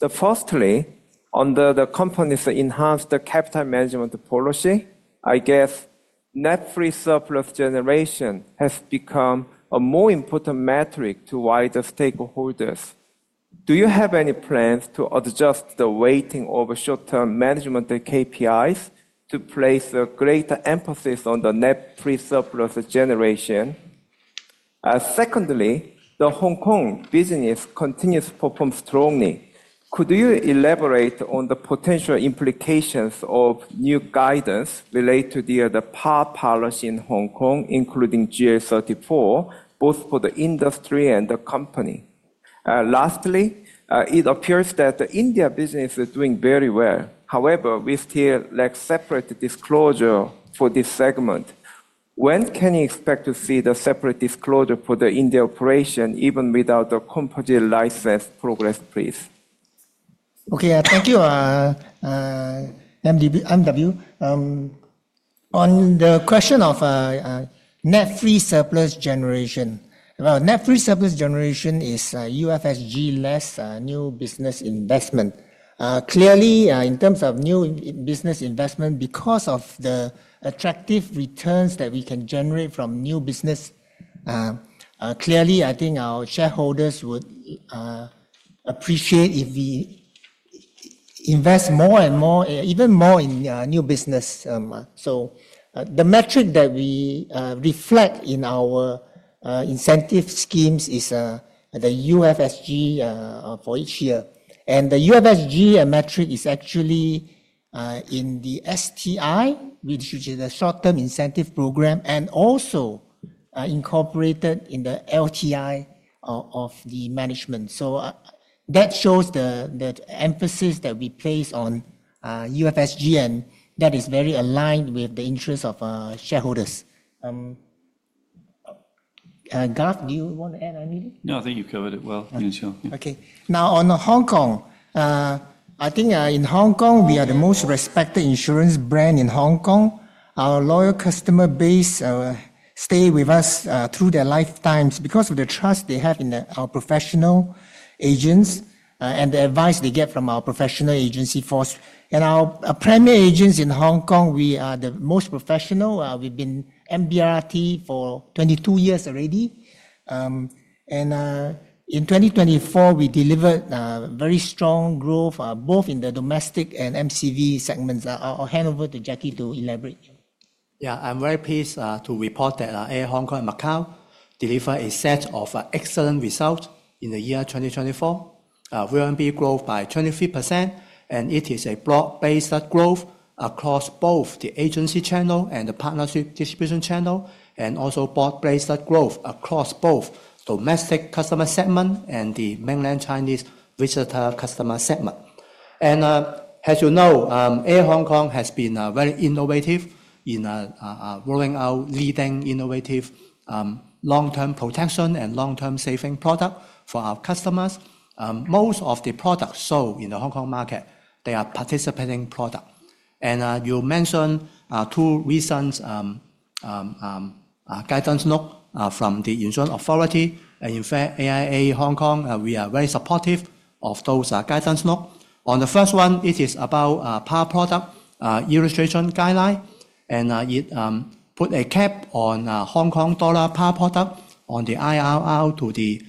Firstly, under the company's enhanced capital management policy, I guess net free surplus generation has become a more important metric to wider stakeholders. Do you have any plans to adjust the weighting of short-term management KPIs to place a greater emphasis on the net free surplus generation? Secondly, the Hong Kong business continues to perform strongly. Could you elaborate on the potential implications of new guidance related to the other powers in Hong Kong, including GL34, both for the industry and the company? Lastly, it appears that the India business is doing very well. However, we still lack separate disclosure for this segment. When can you expect to see the separate disclosure for the India operation, even without the composite license progress, please? Okay, thank you, MW On the question of net free surplus generation, net free surplus generation is UFSG-less new business investment. Clearly, in terms of new business investment, because of the attractive returns that we can generate from new business, clearly, I think our shareholders would appreciate if we invest more and more, even more in new business. The metric that we reflect in our incentive schemes is the UFSG for each year. The UFSG metric is actually in the STI, which is the short-term incentive program, and also incorporated in the LTI of the management. That shows the emphasis that we place on UFSG, and that is very aligned with the interests of shareholders. Garth, do you want to add anything? No, I think you covered it well, Yuan Siong. Okay, now on Hong Kong, I think in Hong Kong, we are the most respected insurance brand in Hong Kong. Our loyal customer base stays with us through their lifetimes because of the trust they have in our professional agents and the advice they get from our professional agency force. Our primary agents in Hong Kong, we are the most professional. We have been MDRT for 22 years already. In 2024, we delivered very strong growth, both in the domestic and MCV segments. I will hand over to Jacky to elaborate. Yeah, I am very pleased to report that AIA Hong Kong and Macau delivered a set of excellent results in the year 2024. We're on VONB growth by 23%, and it is a broad-based growth across both the agency channel and the partnership distribution channel, and also broad-based growth across both domestic customer segment and the mainland Chinese visitor customer segment. As you know, AIA Hong Kong has been very innovative in rolling out leading innovative long-term protection and long-term saving products for our customers. Most of the products sold in the Hong Kong market, they are participating products. You mentioned two recent guidance notes from the Insurance Authority. In fact, AIA Hong Kong, we are very supportive of those guidance notes. On the first one, it is about PAR product illustration guidelines, and it puts a cap on HKD PAR product on the IRR to the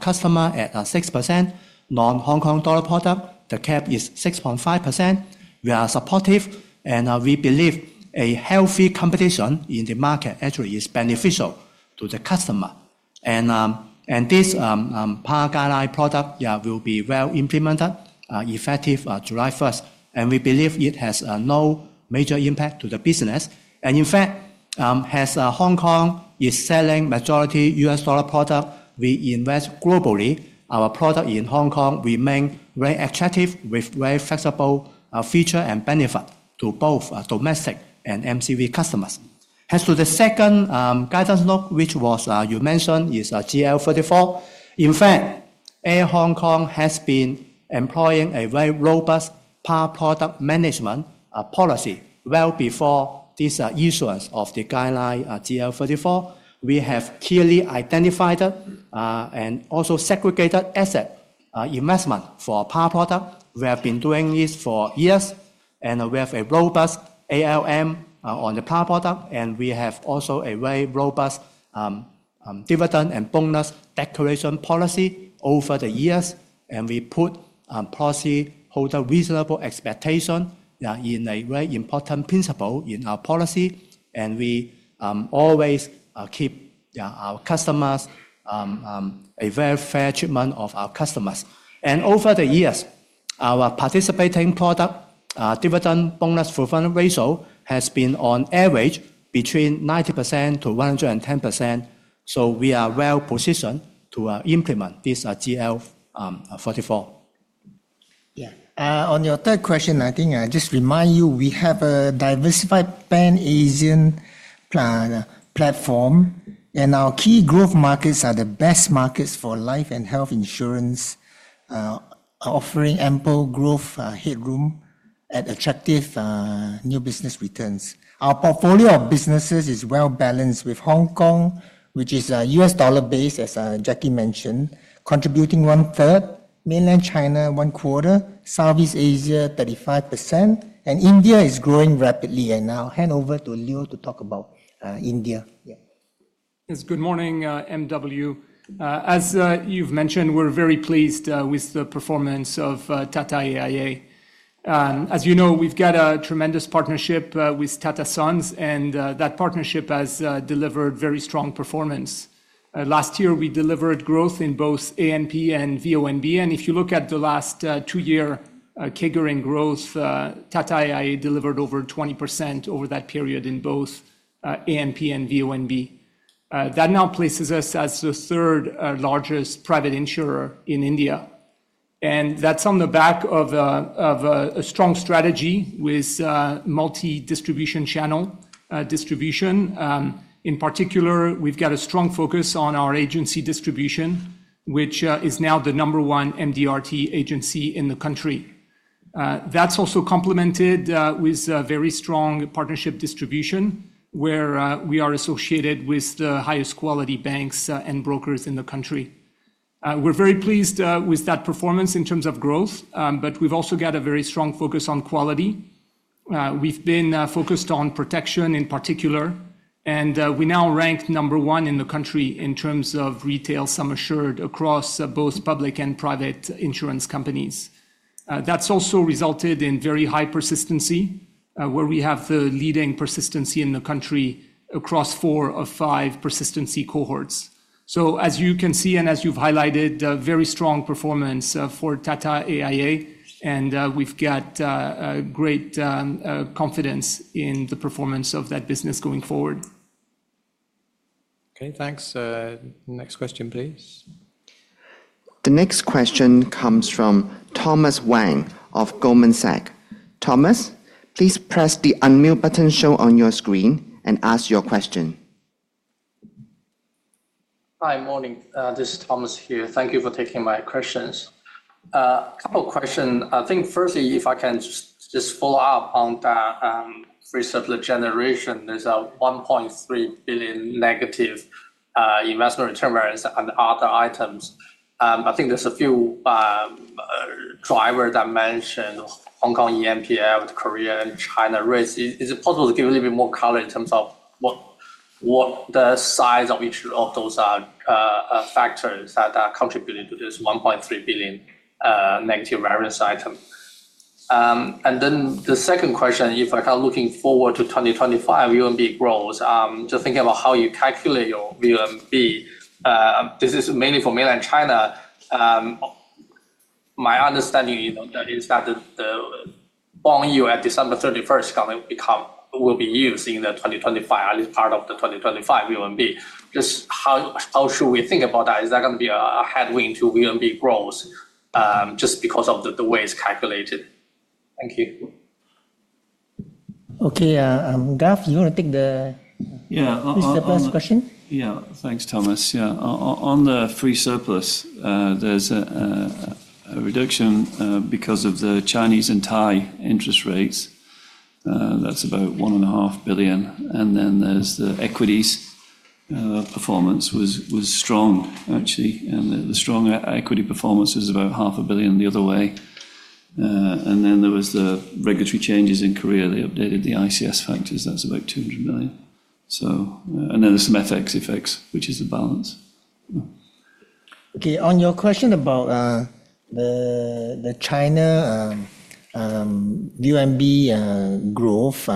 customer at 6%. Non-HKD product, the cap is 6.5%. We are supportive, and we believe a healthy competition in the market actually is beneficial to the customer. This power guideline product will be well implemented, effective July 1st. We believe it has no major impact to the business. In fact, as Hong Kong is selling majority US dollar product, we invest globally. Our product in Hong Kong remains very attractive with very flexible features and benefits to both domestic and MCV customers. As to the second guidance note, which you mentioned, is GL34. In fact, AIA Hong Kong has been employing a very robust PAR product management policy well before this issuance of the guideline GL34. We have clearly identified and also segregated asset investment for PAR product. We have been doing this for years, and we have a robust ALM on the PAR product. We have also a very robust dividend and bonus declaration policy over the years. We put policyholder reasonable expectation in a very important principle in our policy. We always keep our customers a very fair treatment of our customers. Over the years, our participating product dividend bonus performance ratio has been on average between 90%-110%. We are well positioned to implement this GL34. On your third question, I think I just remind you we have a diversified pan-Asian platform, and our key growth markets are the best markets for life and health insurance, offering ample growth headroom at attractive new business returns. Our portfolio of businesses is well balanced with Hong Kong, which is US dollar-based, as Jacky mentioned, contributing 1/3, mainland China, one-quarter, Southeast Asia, 35%, and India is growing rapidly. I'll hand over to Leo to talk about India. Yes, good morning, MW As you've mentioned, we're very pleased with the performance of Tata AIA. As you know, we've got a tremendous partnership with Tata Sons, and that partnership has delivered very strong performance. Last year, we delivered growth in both ANP and VONB. If you look at the last two-year CAGR growth, Tata AIA delivered over 20% over that period in both ANP and VONB. That now places us as the third largest private insurer in India. That's on the back of a strong strategy with multi-distribution channel distribution. In particular, we've got a strong focus on our agency distribution, which is now the number one MDRT agency in the country. That's also complemented with very strong partnership distribution, where we are associated with the highest quality banks and brokers in the country. We're very pleased with that performance in terms of growth, but we've also got a very strong focus on quality. We've been focused on protection in particular, and we now rank number one in the country in terms of retail sum assured across both public and private insurance companies. That's also resulted in very high persistency, where we have the leading persistency in the country across four of five persistency cohorts. As you can see, and as you've highlighted, very strong performance for Tata AIA, and we've got great confidence in the performance of that business going forward. Okay, thanks. Next question, please. The next question comes from Thomas Wang of Goldman Sachs. Thomas, please press the unmute button shown on your screen and ask your question. Hi, morning. This is Thomas here. Thank you for taking my questions. A couple of questions. I think firstly, if I can just follow up on that free surplus generation, there's a $1.3 billion negative investment return variance on other items. I think there's a few drivers that mentioned Hong Kong MPF with Korea and China rates. Is it possible to give a little bit more color in terms of what the size of each of those factors that are contributing to this $1.3 billion negative variance item? The second question, if I'm looking forward to 2025 VONB growth, just thinking about how you calculate your VONB, this is mainly for mainland China. My understanding is that the bond yield at December 31st will be used in the 2025, at least part of the 2025 VONB. Just how should we think about that? Is that going to be a headwind to VONB growth just because of the way it's calculated? Thank you. Okay, Garth, you want to take the first question? Yeah, thanks, Thomas. Yeah, on the free surplus, there's a reduction because of the Chinese and Thai interest rates. That's about $1.5 billion. The equities performance was strong, actually. The strong equity performance was about $500 million the other way. There were the regulatory changes in Korea. They updated the ICS factors. That's about $200 million. There are some FX effects, which is the balance. Okay, on your question about the China VONB growth,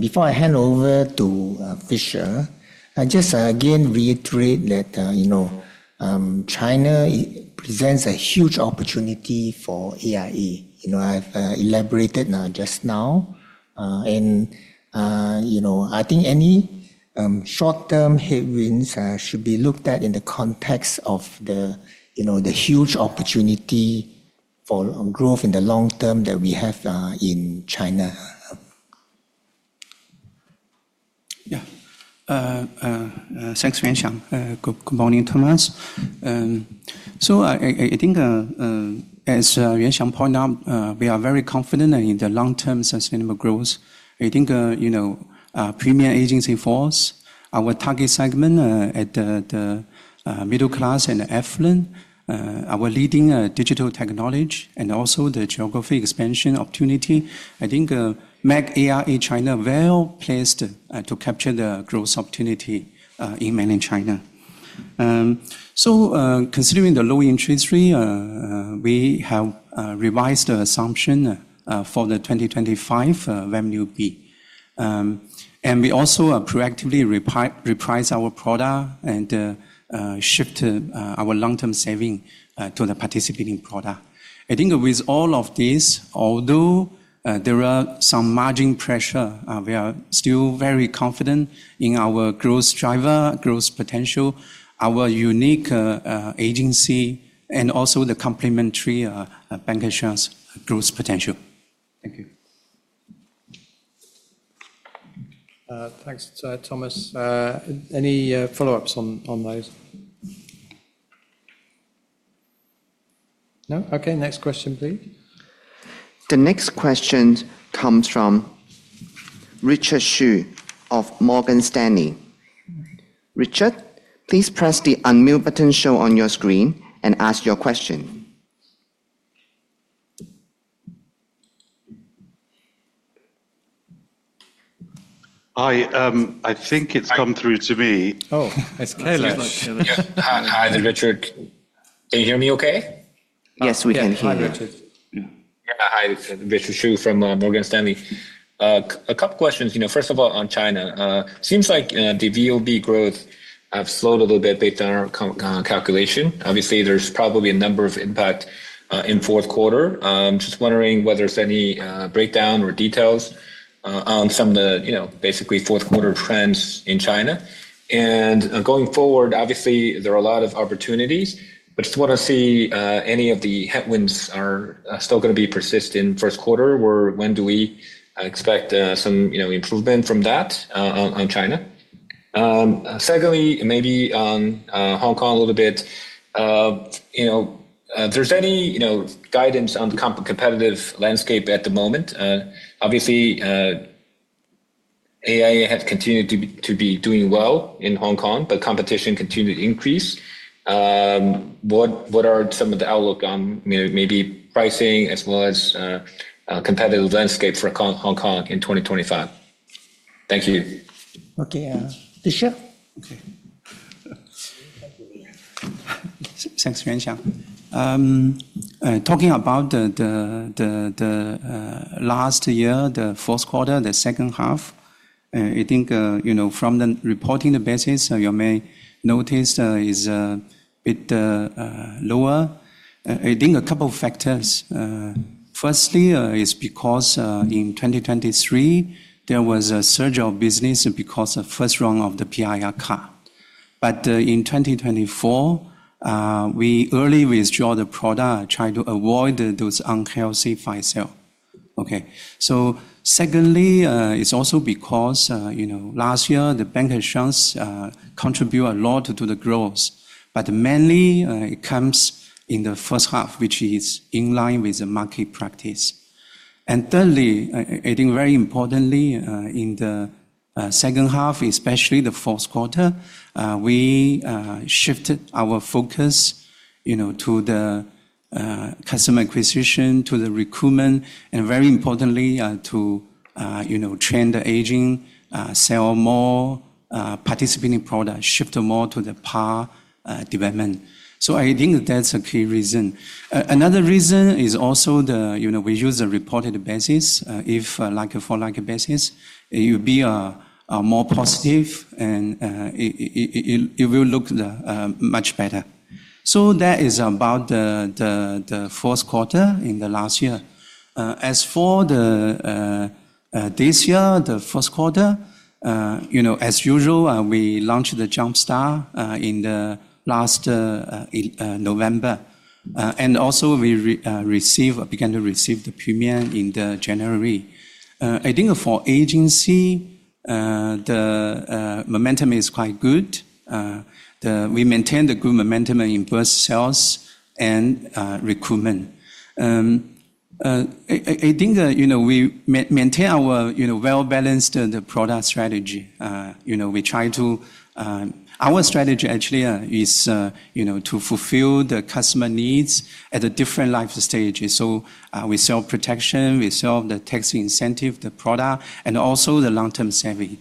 before I hand over to Fisher, I just again reiterate that China presents a huge opportunity for AIA. I've elaborated just now. I think any short-term headwinds should be looked at in the context of the huge opportunity for growth in the long term that we have in China. Yeah, thanks, Yuan Siong. Good morning, Thomas. I think as Yuan Siong pointed out, we are very confident in the long-term sustainable growth. I think our Premier Agency force, our target segment at the middle class and affluent, our leading digital technology, and also the geography expansion opportunity, I think AIA China is well placed to capture the growth opportunity in mainland China. Considering the low interest rate, we have revised the assumption for the 2025 VONB. We also proactively repriced our product and shifted our long-term saving to the participating product. I think with all of this, although there are some margin pressure, we are still very confident in our growth driver, growth potential, our unique agency, and also the complementary bancassurance growth potential. Thank you. Thanks, Thomas. Any follow-ups on those? No? Okay, next question, please. The next question comes from Richard Xu of Morgan Stanley. Richard, please press the unmute button shown on your screen and ask your question. Hi, I think it's come through to me. Oh, it's Kailesh. Hi, Richard. Can you hear me okay? Yes, we can hear you. Yeah, hi, Richard Xu from Morgan Stanley. A couple of questions. First of all, on China, it seems like the VONB growth has slowed a little bit based on our calculation. Obviously, there's probably a number of impacts in fourth quarter. Just wondering whether there's any breakdown or details on some of the basically fourth quarter trends in China. Going forward, obviously, there are a lot of opportunities, but just want to see if any of the headwinds are still going to be persistent in first quarter. When do we expect some improvement from that on China? Secondly, maybe on Hong Kong a little bit. There's any guidance on the competitive landscape at the moment? Obviously, AIA has continued to be doing well in Hong Kong, but competition continues to increase. What are some of the outlooks on maybe pricing as well as competitive landscape for Hong Kong in 2025? Thank you. Okay, Fisher? Okay. Thanks, Yuan Siong. Talking about the last year, the fourth quarter, the second half, I think from the reporting basis, you may notice it's a bit lower. I think a couple of factors. Firstly, it's because in 2023, there was a surge of business because of the first round of the PII card. But in 2024, we early withdrew the product, trying to avoid those unhealthy five sales. Okay. Secondly, it's also because last year, the bancassurance contributed a lot to the growth, but mainly it comes in the first half, which is in line with the market practice. Thirdly, I think very importantly, in the second half, especially the fourth quarter, we shifted our focus to the customer acquisition, to the recruitment, and very importantly, to train the agent, sell more participating products, shift more to the power development. I think that's a key reason. Another reason is also we use a reported basis. If like a for-like basis, it would be more positive, and it will look much better. That is about the fourth quarter in the last year. As for this year, the first quarter, as usual, we launched the Jump Start in last November. Also, we began to receive the premium in January. I think for agency, the momentum is quite good. We maintain the good momentum in both sales and recruitment. I think we maintain our well-balanced product strategy. We try to, our strategy actually is to fulfill the customer needs at a different life stage. We sell protection, we sell the tax incentive, the product, and also the long-term saving.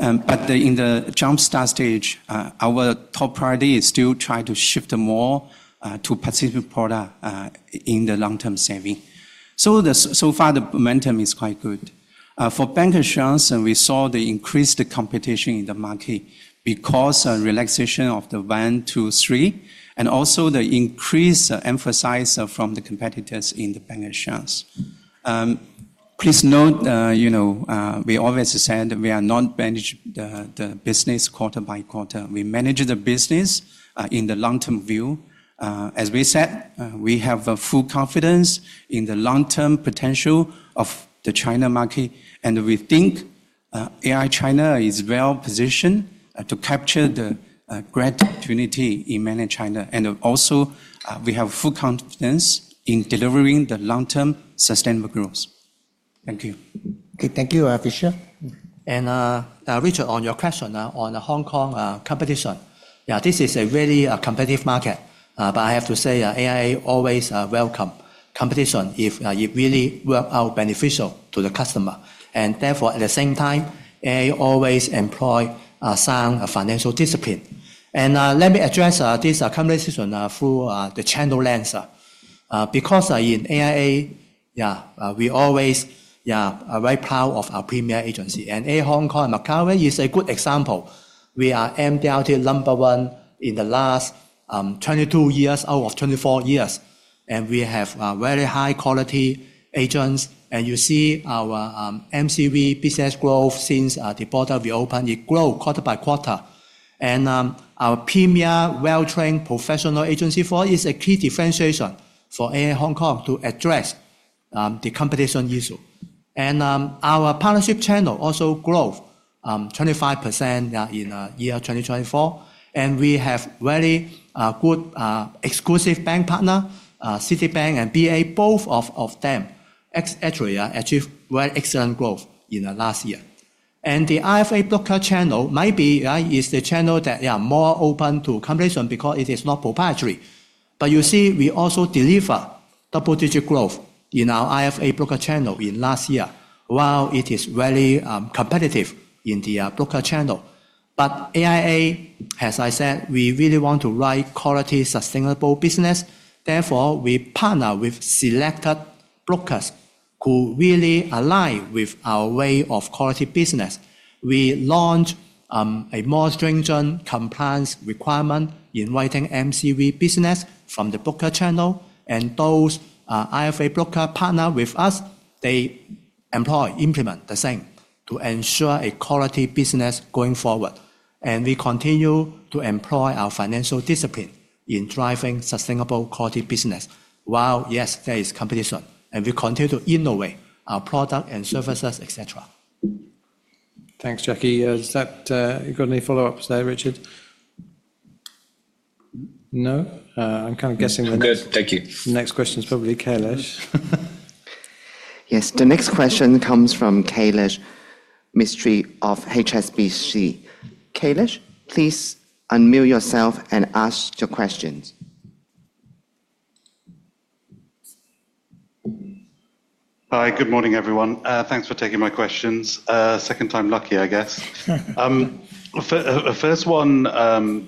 In the Jump Start stage, our top priority is still trying to shift more to participant product in the long-term saving. So far, the momentum is quite good. For bancassurance, we saw the increased competition in the market because of relaxation of the one, two, three, and also the increased emphasis from the competitors in the bancassurance. Please note, we always said we are not managing the business quarter by quarter. We manage the business in the long-term view. As we said, we have full confidence in the long-term potential of the China market, and we think AIA China is well positioned to capture the great opportunity in mainland China. We have full confidence in delivering the long-term sustainable growth. Thank you. Okay, thank you, Fisher. Richard, on your question on Hong Kong competition, this is a really competitive market, but I have to say AIA always welcomes competition if it really works out beneficial to the customer. Therefore, at the same time, AIA always employs some financial discipline. Let me address this conversation through the channel lens. Because in AIA, we always are very proud of our Premier Agency. AIA Hong Kong and Macau is a good example. We are MDRT number one in the last 22 years out of 24 years. We have very high-quality agents. You see our MCV business growth since the border reopened. It grows quarter by quarter. Our premier well-trained professional agency force is a key differentiation for AIA Hong Kong to address the competition issue. Our partnership channel also grows 25% in year 2024. We have very good exclusive bank partners, Citibank and BEA, both of them actually achieved very excellent growth in the last year. The IFA/broker channel might be the channel that is more open to competition because it is not proprietary. You see, we also deliver double-digit growth in our IFA/broker channel in last year, while it is very competitive in the broker channel. AIA, as I said, we really want to write quality sustainable business. Therefore, we partner with selected brokers who really align with our way of quality business. We launched a more stringent compliance requirement in writing MCV business from the broker channel. Those IFA/brokers partner with us, they employ, implement the same to ensure a quality business going forward. We continue to employ our financial discipline in driving sustainable quality business, while, yes, there is competition. We continue to innovate our product and services, etc. Thanks, Jacky. You got any follow-ups there, Richard? No? I'm kind of guessing the next question is probably Kailesh. Yes, the next question comes from Kailesh Mistry of HSBC. Kailesh, please unmute yourself and ask your questions. Hi, good morning, everyone. Thanks for taking my questions. Second time lucky, I guess. First one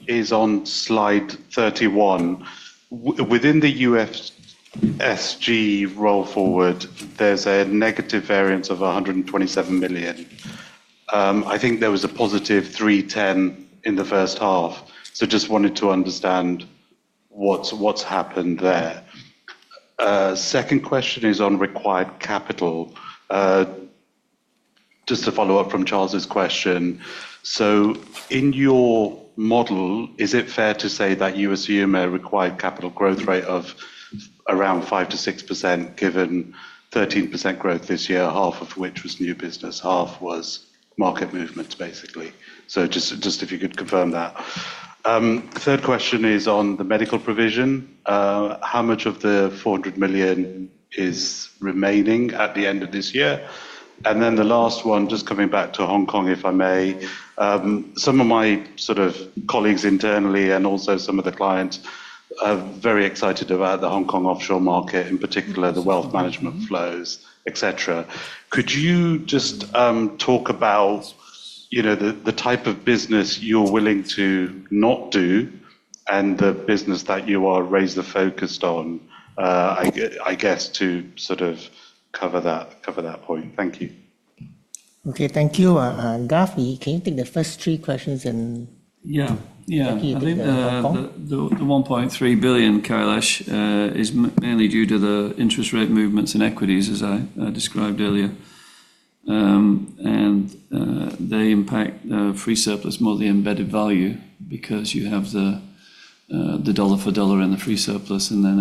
is on slide 31. Within the UFSG roll forward, there's a negative variance of $127 million. I think there was a positive $310 million in the first half. Just wanted to understand what's happened there. Second question is on required capital. Just to follow up from Charles's question. In your model, is it fair to say that you assume a required capital growth rate of around 5%-6% given 13% growth this year, half of which was new business, half was market movements, basically? If you could confirm that. Third question is on the medical provision. How much of the $400 million is remaining at the end of this year? The last one, just coming back to Hong Kong, if I may, some of my sort of colleagues internally and also some of the clients are very excited about the Hong Kong offshore market, in particular the wealth management flows, etc. Could you just talk about the type of business you're willing to not do and the business that you are razor-focused on, I guess, to sort of cover that point? Thank you. Okay, thank you. Garth, can you take the first three questions and thank you. Yeah, I believe the $1.3 billion, Kailesh, is mainly due to the interest rate movements in equities, as I described earlier. They impact the free surplus more than the embedded value because you have the dollar for dollar and the free surplus, and then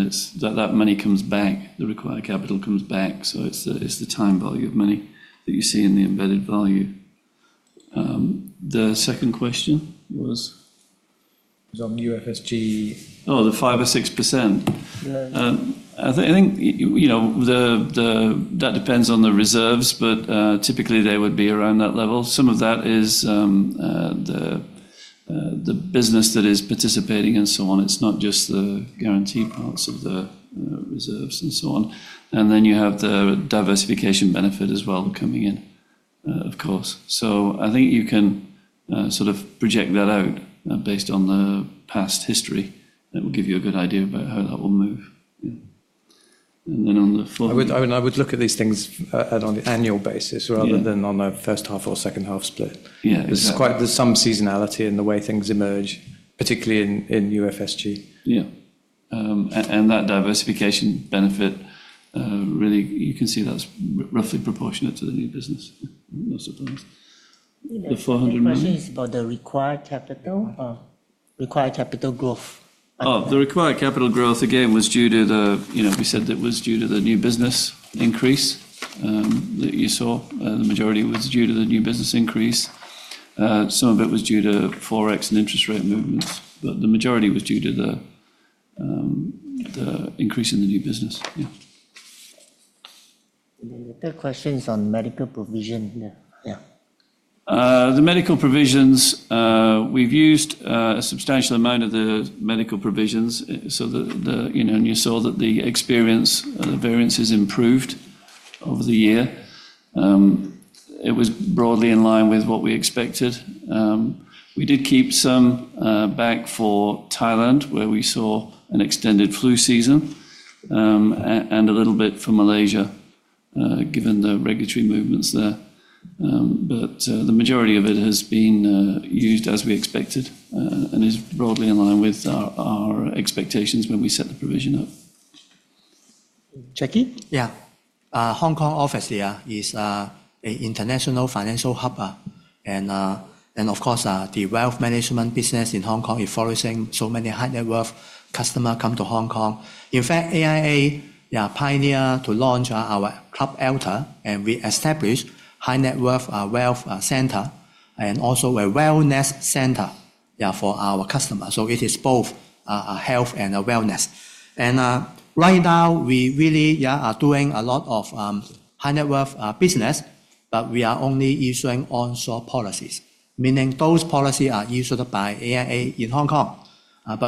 that money comes back, the required capital comes back. It is the time value of money that you see in the embedded value. The second question was? On UFSG. Oh, the 5%-6%. I think that depends on the reserves, but typically, they would be around that level. Some of that is the business that is participating and so on. It's not just the guaranteed parts of the reserves and so on. You have the diversification benefit as well coming in, of course. I think you can sort of project that out based on the past history. That will give you a good idea about how that will move. On the fourth, I would look at these things on an annual basis rather than on a first half or second half split. There's some seasonality in the way things emerge, particularly in UFSG. Yeah. That diversification benefit, really, you can see that's roughly proportionate to the new business. No surprise. The $400 million. The question is about the required capital or required capital growth. Oh, the required capital growth, again, was due to the we said it was due to the new business increase that you saw. The majority was due to the new business increase. Some of it was due to Forex and interest rate movements, but the majority was due to the increase in the new business. Yeah. The third question is on medical provision. Yeah. The medical provisions, we've used a substantial amount of the medical provisions. So you saw that the experience, the variance has improved over the year. It was broadly in line with what we expected. We did keep some back for Thailand, where we saw an extended flu season, and a little bit for Malaysia, given the regulatory movements there. The majority of it has been used as we expected and is broadly in line with our expectations when we set the provision up. Jacky? Yeah. Hong Kong office here is an international financial hub. Of course, the wealth management business in Hong Kong is flourishing. Many high-net-worth customers come to Hong Kong. In fact, AIA pioneered to launch our Club Alta, and we established a high-net-worth Wealth Center and also a wellness center for our customers. It is both a health and a wellness. Right now, we really are doing a lot of high-net-worth business, but we are only using onshore policies, meaning those policies are usually by AIA in Hong Kong.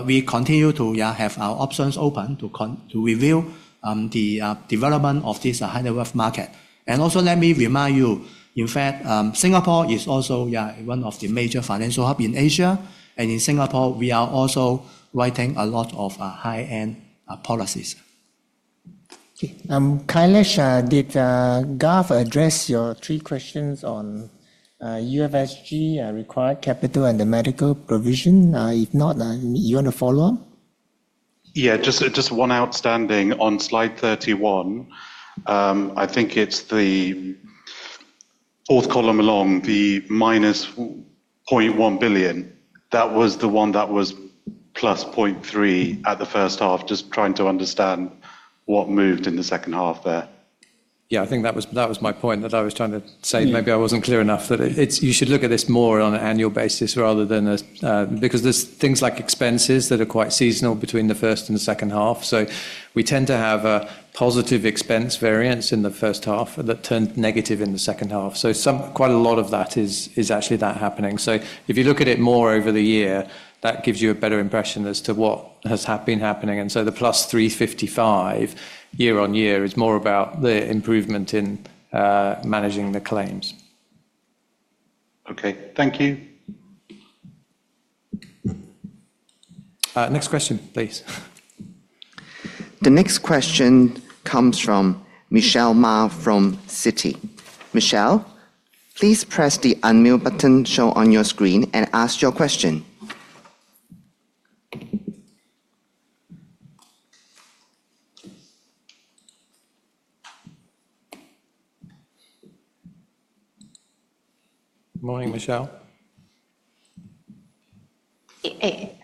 We continue to have our options open to reveal the development of this high-net-worth market. Also, let me remind you, in fact, Singapore is also one of the major financial hubs in Asia. In Singapore, we are also writing a lot of high-end policies. Kailesh, did Garth address your three questions on UFSG, required capital, and the medical provision? If not, you want to follow up? Yeah, just one outstanding on slide 31. I think it's the fourth column along the -$0.1 billion. That was the one that was +$0.3 billion at the first half, just trying to understand what moved in the second half there. Yeah, I think that was my point that I was trying to say. Maybe I wasn't clear enough that you should look at this more on an annual basis rather than a because there's things like expenses that are quite seasonal between the first and the second half. We tend to have a positive expense variance in the first half that turned negative in the second half. Quite a lot of that is actually that happening. If you look at it more over the year, that gives you a better impression as to what has been happening. The +355 year-on-year is more about the improvement in managing the claims. Okay, thank you. Next question, please. The next question comes from Michelle Ma from Citi. Michelle, please press the unmute button shown on your screen and ask your question. Good morning, Michelle. Hey,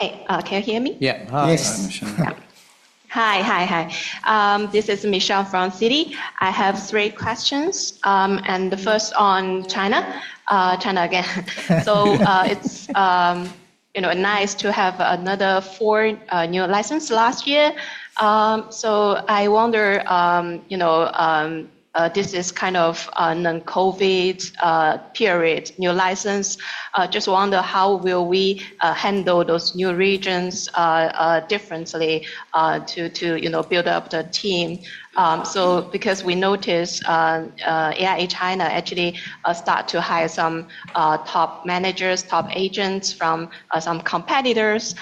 can you hear me? Yeah. Hi, Michelle. Hi, hi, hi. This is Michelle from Citi. I have three questions. The first on China, China again. It's nice to have another four new licenses last year. I wonder, this is kind of a non-COVID period, new license. Just wonder how will we handle those new regions differently to build up the team. Because we noticed AIA China actually started to hire some top managers, top agents from some competitors.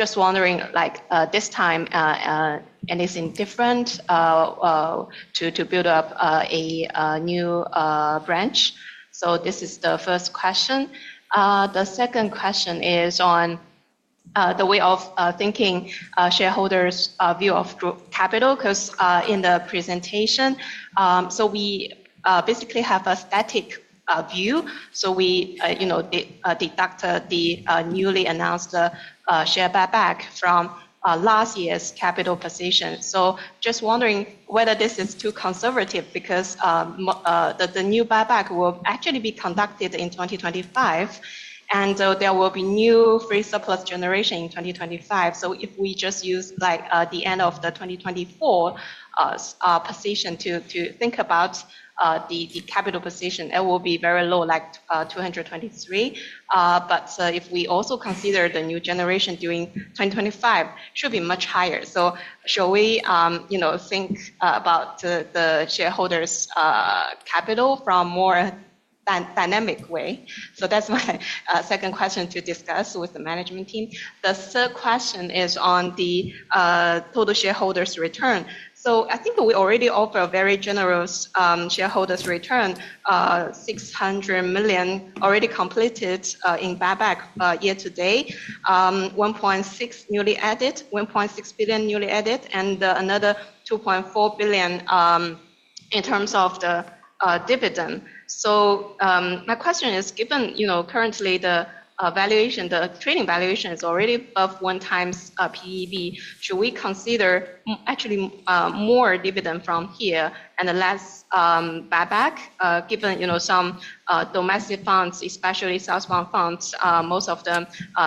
Just wondering, this time, anything different to build up a new branch? This is the first question. The second question is on the way of thinking shareholders' view of capital, because in the presentation, we basically have a static view. We deduct the newly announced share buyback from last year's capital position. Just wondering whether this is too conservative because the new buyback will actually be conducted in 2025, and there will be new free surplus generation in 2025. If we just use the end of the 2024 position to think about the capital position, it will be very low, like 223. If we also consider the new generation during 2025, it should be much higher. Should we think about the shareholders' capital from a more dynamic way? That's my second question to discuss with the management team. The third question is on the total shareholders' return. I think we already offer a very generous shareholders' return, $600 million already completed in buyback year to date, $1.6 billion newly added, and another $2.4 billion in terms of the dividend. My question is, given currently the valuation, the trading valuation is already above 1x PEV, should we consider actually more dividend from here and less buyback, given some domestic funds, especially Southbound funds, most of them,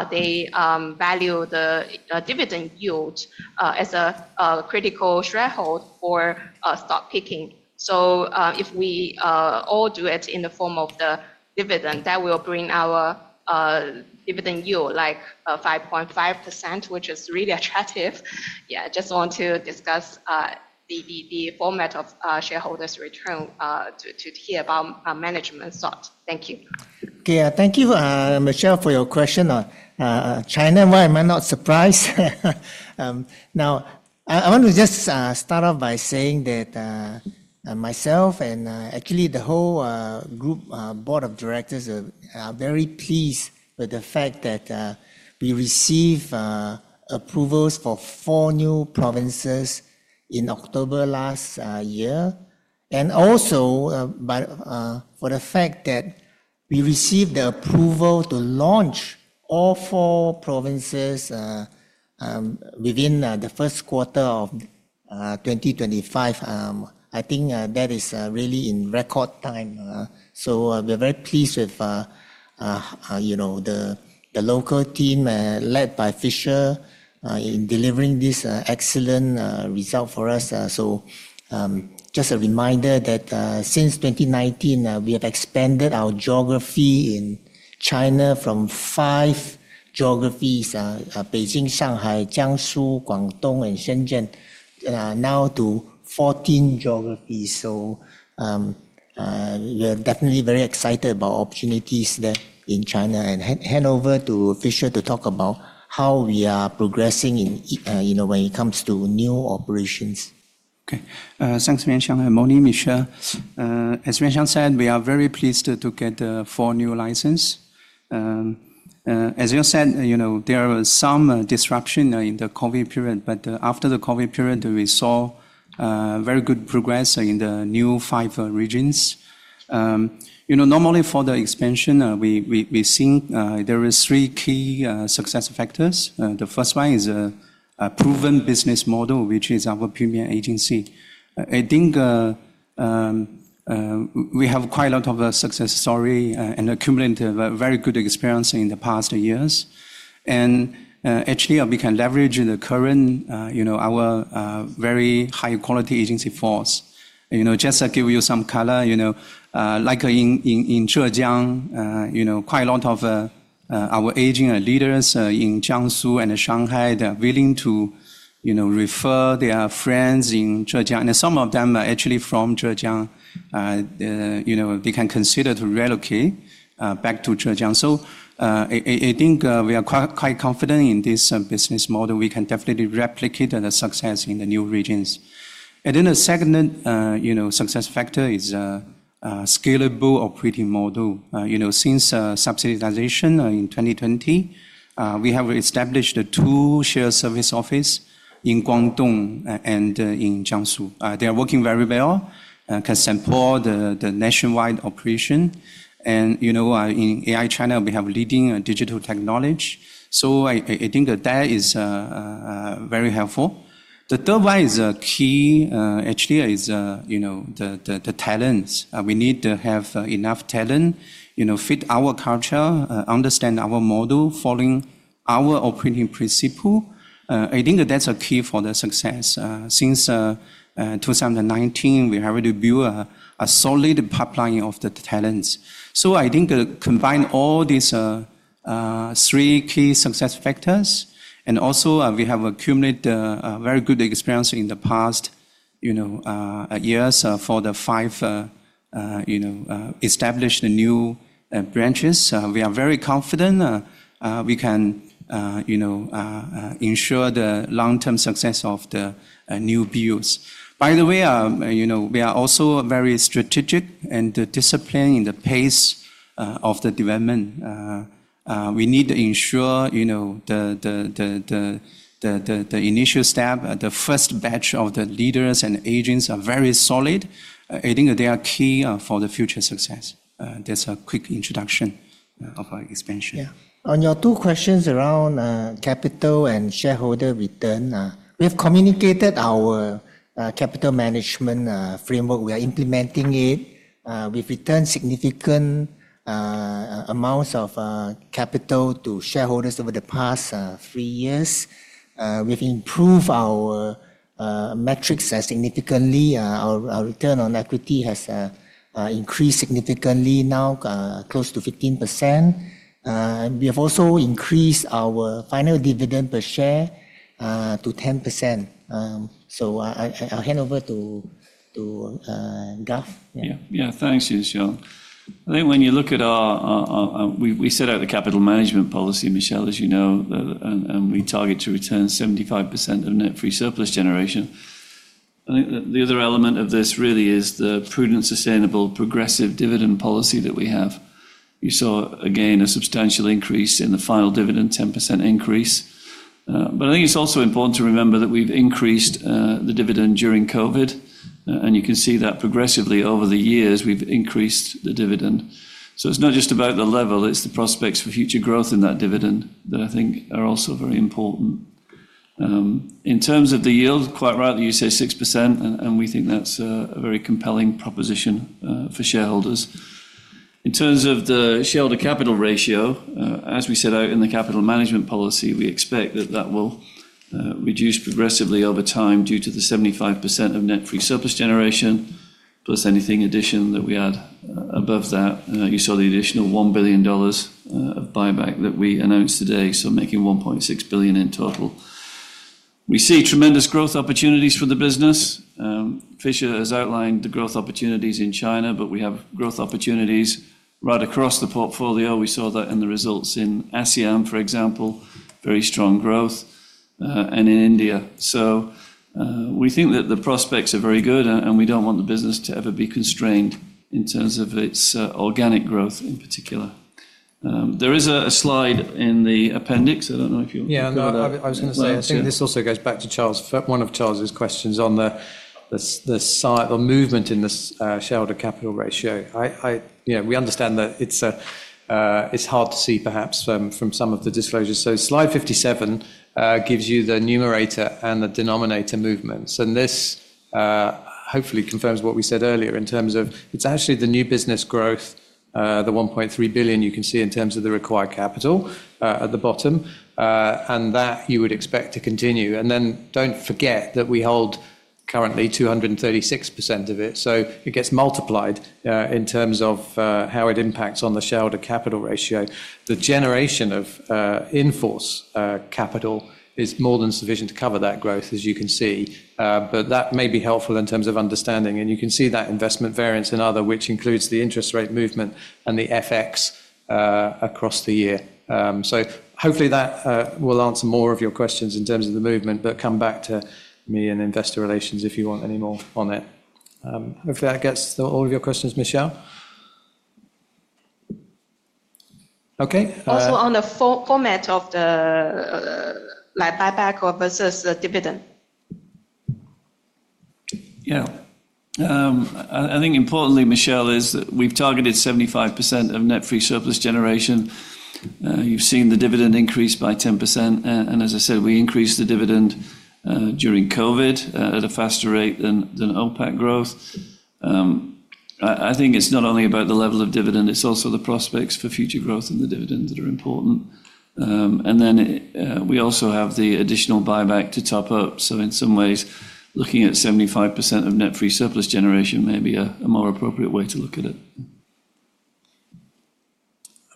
they value the dividend yield as a critical threshold for stock picking. If we all do it in the form of the dividend, that will bring our dividend yield like 5.5%, which is really attractive. Yeah, I just want to discuss the format of shareholders' return to hear about management thought. Thank you. Okay, thank you, Michelle, for your question. China and why it might not surprise. Now, I want to just start off by saying that myself and actually the whole group board of directors are very pleased with the fact that we received approvals for four new provinces in October last year. And also for the fact that we received the approval to launch all four provinces within the first quarter of 2025. I think that is really in record time. We are very pleased with the local team led by Fisher in delivering this excellent result for us. Just a reminder that since 2019, we have expanded our geography in China from five geographies, Beijing, Shanghai, Jiangsu, Guangdong, and Shenzhen, now to 14 geographies. We are definitely very excited about opportunities there in China. I will hand over to Fisher to talk about how we are progressing when it comes to new operations. Okay, thanks, Yuan Siong. Morning, Michelle. As Yuan Siong said, we are very pleased to get the four new licenses. As you said, there was some disruption in the COVID period, but after the COVID period, we saw very good progress in the new five regions. Normally, for the expansion, we think there are three key success factors. The first one is a proven business model, which is our Premier Agency. I think we have quite a lot of success stories and accumulated very good experience in the past years. Actually, we can leverage our current very high-quality agency force. Just to give you some color, like in Zhejiang, quite a lot of our agency leaders in Jiangsu and Shanghai are willing to refer their friends in Zhejiang. And some of them are actually from Zhejiang. They can consider to relocate back to Zhejiang. I think we are quite confident in this business model. We can definitely replicate the success in the new regions. The second success factor is a scalable operating model. Since subsidization in 2020, we have established two shared service offices in Guangdong and in Jiangsu. They are working very well to support the nationwide operation. In AIA China, we have leading digital technology. I think that is very helpful. The third one is a key, actually, is the talents. We need to have enough talent to fit our culture, understand our model, following our operating principle. I think that's a key for the success. Since 2019, we have already built a solid pipeline of the talents. I think combine all these three key success factors, and also we have accumulated very good experience in the past years for the five established new branches. We are very confident we can ensure the long-term success of the new builds. By the way, we are also very strategic and disciplined in the pace of the development. We need to ensure the initial step, the first batch of the leaders and agents are very solid. I think they are key for the future success. That's a quick introduction of our expansion. Yeah. On your two questions around capital and shareholder return, we have communicated our capital management framework. We are implementing it. We've returned significant amounts of capital to shareholders over the past three years. We've improved our metrics significantly. Our return on equity has increased significantly now, close to 15%. We have also increased our final dividend per share to 10%. I'll hand over to Garth. Yeah, thanks, Michelle. I think when you look at our, we set out the capital management policy, Michelle, as you know, and we target to return 75% of net free surplus generation. I think the other element of this really is the prudent, sustainable, progressive dividend policy that we have. You saw, again, a substantial increase in the final dividend, 10% increase. I think it's also important to remember that we've increased the dividend during COVID. You can see that progressively over the years, we've increased the dividend. It's not just about the level, it's the prospects for future growth in that dividend that I think are also very important. In terms of the yield, quite rightly you say 6%, and we think that's a very compelling proposition for shareholders. In terms of the shareholder capital ratio, as we set out in the capital management policy, we expect that that will reduce progressively over time due to the 75% of net free surplus generation, plus anything addition that we add above that. You saw the additional $1 billion of buyback that we announced today, making $1.6 billion in total. We see tremendous growth opportunities for the business. Fisher has outlined the growth opportunities in China, but we have growth opportunities right across the portfolio. We saw that in the results in ASEAN, for example, very strong growth, and in India. We think that the prospects are very good, and we don't want the business to ever be constrained in terms of its organic growth in particular. There is a slide in the appendix. I do not know if you will go to that. Yeah, I was going to say, I think this also goes back to one of Charles's questions on the movement in the shareholder capital ratio. We understand that it is hard to see, perhaps, from some of the disclosures. Slide 57 gives you the numerator and the denominator movement. This hopefully confirms what we said earlier in terms of it is actually the new business growth, the $1.3 billion you can see in terms of the required capital at the bottom, and that you would expect to continue. Do not forget that we hold currently 236% of it. It gets multiplied in terms of how it impacts on the shareholder capital ratio. The generation of in-force capital is more than sufficient to cover that growth, as you can see. That may be helpful in terms of understanding. You can see that investment variance in other, which includes the interest rate movement and the FX across the year. Hopefully that will answer more of your questions in terms of the movement, but come back to me in investor relations if you want any more on it. Hopefully that gets all of your questions, Michelle. Okay. Also on the format of the buyback versus the dividend. I think importantly, Michelle, is that we've targeted 75% of net free surplus generation. You've seen the dividend increase by 10%. As I said, we increased the dividend during COVID at a faster rate than OPAT growth. I think it's not only about the level of dividend, it's also the prospects for future growth in the dividend that are important. Then we also have the additional buyback to top up. In some ways, looking at 75% of net free surplus generation may be a more appropriate way to look at it.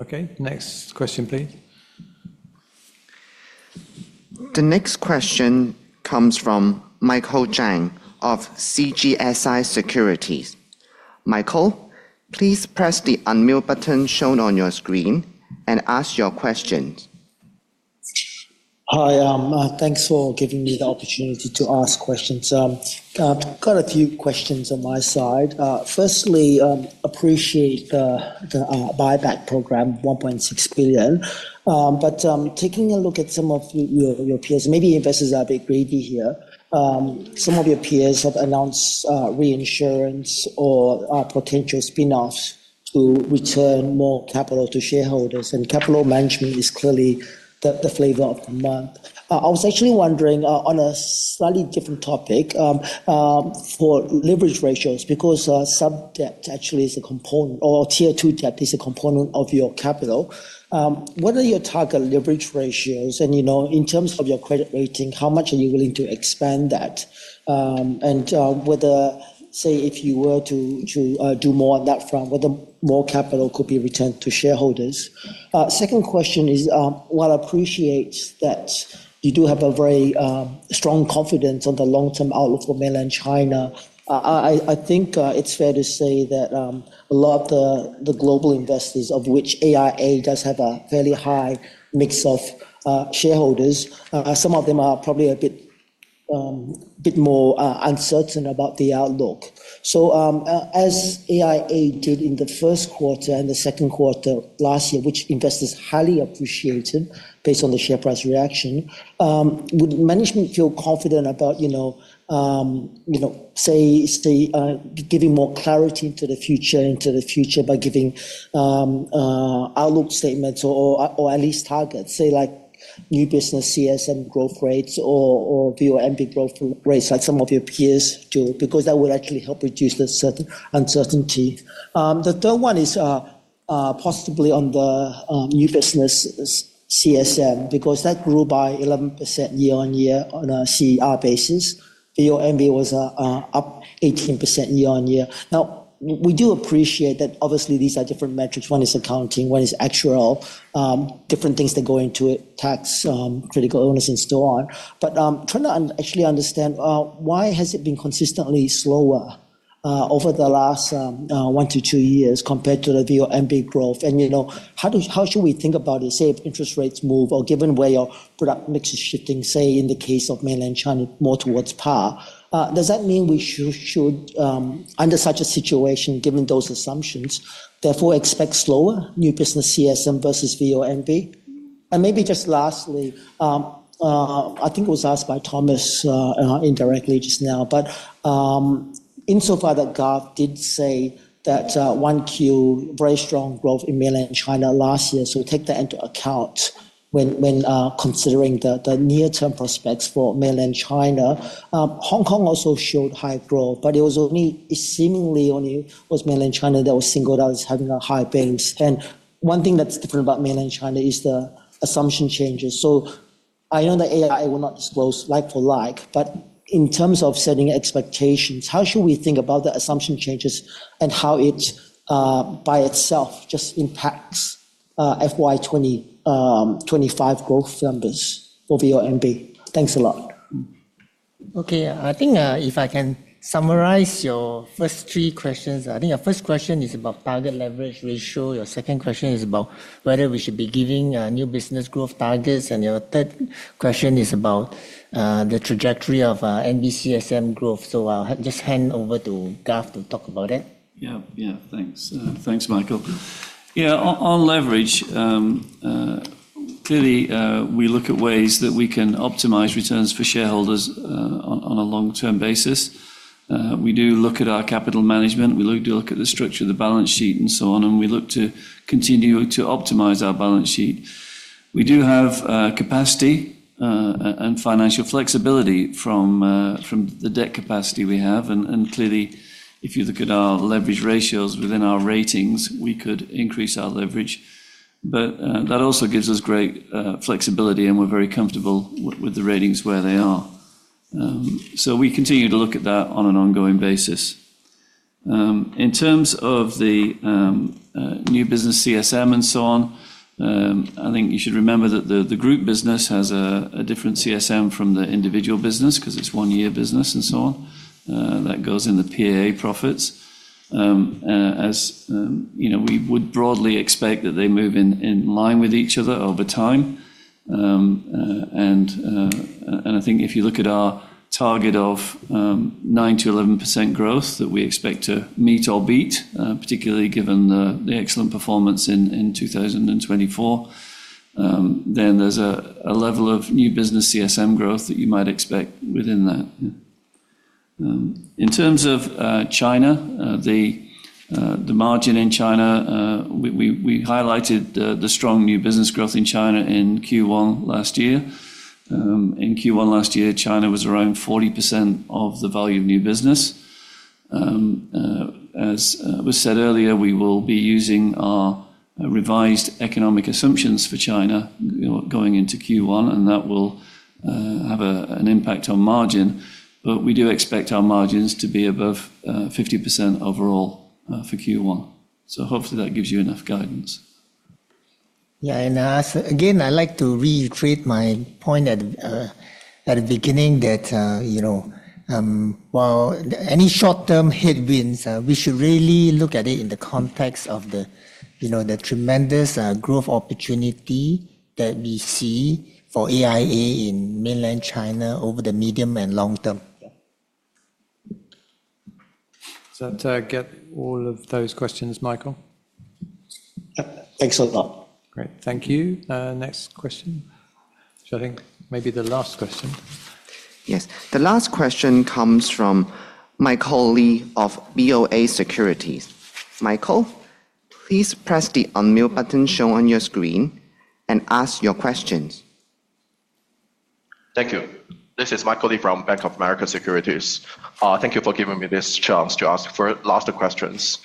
Okay, next question, please. The next question comes from Michael Chang of CGSI Securities. Michael, please press the unmute button shown on your screen and ask your question. Hi, thanks for giving me the opportunity to ask questions. I've got a few questions on my side. Firstly, appreciate the buyback program, $1.6 billion. Taking a look at some of your peers, maybe investors are a bit greedy here. Some of your peers have announced reinsurance or potential spinoffs to return more capital to shareholders. Capital management is clearly the flavor of the month. I was actually wondering on a slightly different topic for leverage ratios, because subdebt actually is a component, or tier two debt is a component of your capital. What are your target leverage ratios? In terms of your credit rating, how much are you willing to expand that? Whether, say, if you were to do more on that front, whether more capital could be returned to shareholders. Second question is, while I appreciate that you do have a very strong confidence on the long-term outlook for mainland China, I think it's fair to say that a lot of the global investors, of which AIA does have a fairly high mix of shareholders, some of them are probably a bit more uncertain about the outlook. As AIA did in the first quarter and the second quarter last year, which investors highly appreciated based on the share price reaction, would management feel confident about, say, giving more clarity into the future, into the future by giving outlook statements or at least targets, say, like new business CSM growth rates or VONB growth rates, like some of your peers do, because that will actually help reduce the uncertainty. The third one is possibly on the new business CSM, because that grew by 11% year-on-year on a CER basis. VONB was up 18% year-on-year. Now, we do appreciate that, obviously, these are different metrics. One is accounting, one is actual, different things that go into it, tax, critical illness, and so on. Trying to actually understand why has it been consistently slower over the last one to two years compared to the VONB growth? How should we think about it, say, if interest rates move or given where your product mix is shifting, say, in the case of mainland China, more towards PAR? Does that mean we should, under such a situation, given those assumptions, therefore expect slower new business CSM versus VONB? Maybe just lastly, I think it was asked by Thomas indirectly just now, but insofar that Garth did say that 1Q, very strong growth in mainland China last year, so take that into account when considering the near-term prospects for mainland China. Hong Kong also showed high growth, but it was only seemingly only mainland China that was singled out as having a high base. One thing that's different about mainland China is the assumption changes. I know that AIA will not disclose like for like, but in terms of setting expectations, how should we think about the assumption changes and how it by itself just impacts FY 2025 growth numbers for VONB? Thanks a lot. Okay, I think if I can summarize your first three questions, I think your first question is about target leverage ratio. Your second question is about whether we should be giving new business growth targets. Your third question is about the trajectory of NB CSM growth. I'll just hand over to Garth to talk about it. Yeah, thanks. Thanks, Michael. On leverage, clearly, we look at ways that we can optimize returns for shareholders on a long-term basis. We do look at our capital management. We look at the structure of the balance sheet and so on, and we look to continue to optimize our balance sheet. We do have capacity and financial flexibility from the debt capacity we have. Clearly, if you look at our leverage ratios within our ratings, we could increase our leverage. That also gives us great flexibility, and we're very comfortable with the ratings where they are. We continue to look at that on an ongoing basis. In terms of the new business CSM and so on, I think you should remember that the group business has a different CSM from the individual business because it's one-year business and so on. That goes in the PAA profits. We would broadly expect that they move in line with each other over time. I think if you look at our target of 9%-11% growth that we expect to meet or beat, particularly given the excellent performance in 2024, there is a level of new business CSM growth that you might expect within that. In terms of China, the margin in China, we highlighted the strong new business growth in China in Q1 last year. In Q1 last year, China was around 40% of the value of new business. As was said earlier, we will be using our revised economic assumptions for China going into Q1, and that will have an impact on margin. We do expect our margins to be above 50% overall for Q1. Hopefully that gives you enough guidance. Yeah, and again, I'd like to reiterate my point at the beginning that while any short-term headwinds, we should really look at it in the context of the tremendous growth opportunity that we see for AIA in mainland China over the medium and long term. Does that get all of those questions, Michael? Thanks a lot. Great, thank you. Next question. I think maybe the last question. Yes, the last question comes from Michael Li of BofA Securities. Michael, please press the unmute button shown on your screen and ask your questions. Thank you. This is Michael Li from Bank of America Securities. Thank you for giving me this chance to ask for the last questions.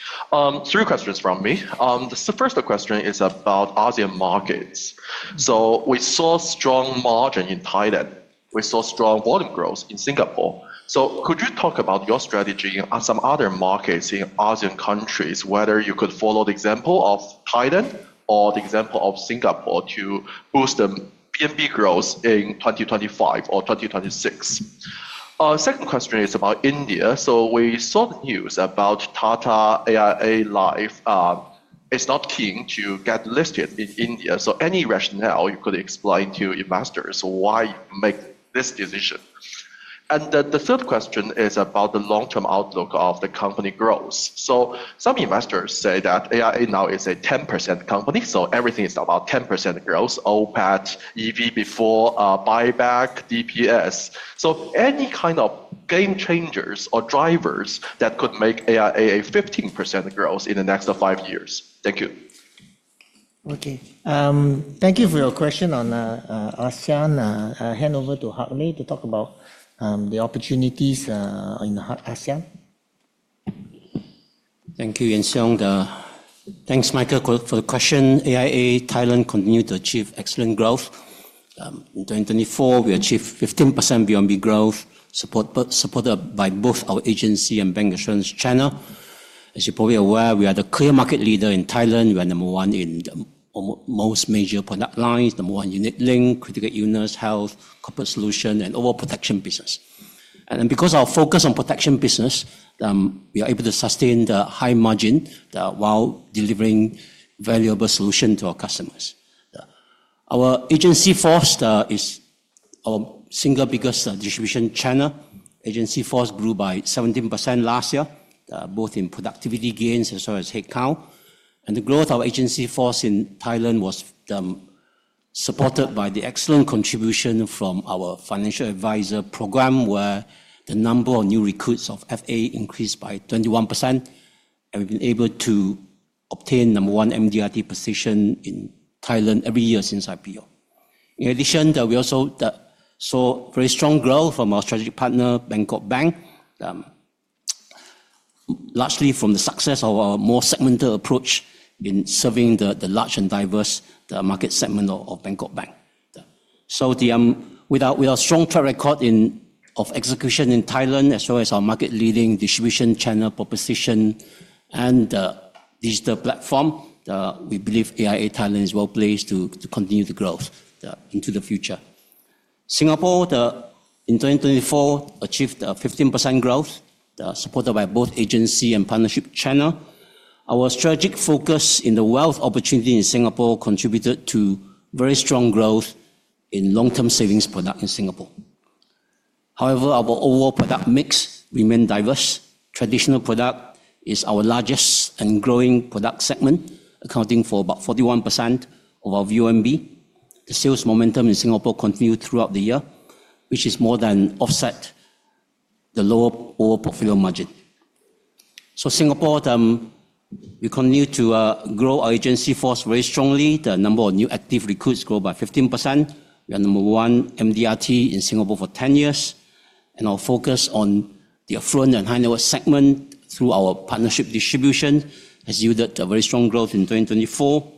Three questions from me. The first question is about ASEAN markets. We saw strong margin in Thailand. We saw strong volume growth in Singapore. Could you talk about your strategy on some other markets in ASEAN countries, whether you could follow the example of Thailand or the example of Singapore to boost the VONB growth in 2025 or 2026? Second question is about India. We saw the news about Tata AIA Life is not keen to get listed in India. Any rationale you could explain to investors why you make this decision? The third question is about the long-term outlook of the company growth. Some investors say that AIA now is a 10% company, so everything is about 10% growth, OPAT, EV before, buyback, EPS. Any kind of game changers or drivers that could make AIA a 15% growth in the next five years? Thank you. Thank you for your question on ASEAN. I'll hand over to Hak Leh to talk about the opportunities in ASEAN. Thank you, Yuan Siong. Thanks, Michael, for the question. AIA Thailand continues to achieve excellent growth. In 2024, we achieved 15% VONB growth, supported by both our agency and bancassurance channel. As you're probably aware, we are the clear market leader in Thailand. We are number one in most major product lines, number one unit-linked, critical illness, health, corporate solution, and overall protection business. Because our focus is on protection business, we are able to sustain the high margin while delivering valuable solutions to our customers. Our agency force is our single biggest distribution channel. Agency force grew by 17% last year, both in productivity gains as well as headcount. The growth of agency force in Thailand was supported by the excellent contribution from our financial advisor program, where the number of new recruits of FA increased by 21%. We have been able to obtain number one MDRT position in Thailand every year since IPO. In addition, we also saw very strong growth from our strategic partner, Bangkok Bank, largely from the success of our more segmented approach in serving the large and diverse market segment of Bangkok Bank. With our strong track record of execution in Thailand, as well as our market-leading distribution channel proposition and digital platform, we believe AIA Thailand is well placed to continue to grow into the future. Singapore, in 2024, achieved 15% growth, supported by both agency and partnership channel. Our strategic focus in the wealth opportunity in Singapore contributed to very strong growth in long-term savings products in Singapore. However, our overall product mix remained diverse. Traditional product is our largest and growing product segment, accounting for about 41% of our VONB. The sales momentum in Singapore continued throughout the year, which more than offset the lower overall portfolio margin. In Singapore, we continue to grow our agency force very strongly. The number of new active recruits grew by 15%. We are number one MDRT in Singapore for 10 years. Our focus on the affluent and high-level segment through our partnership distribution has yielded very strong growth in 2024.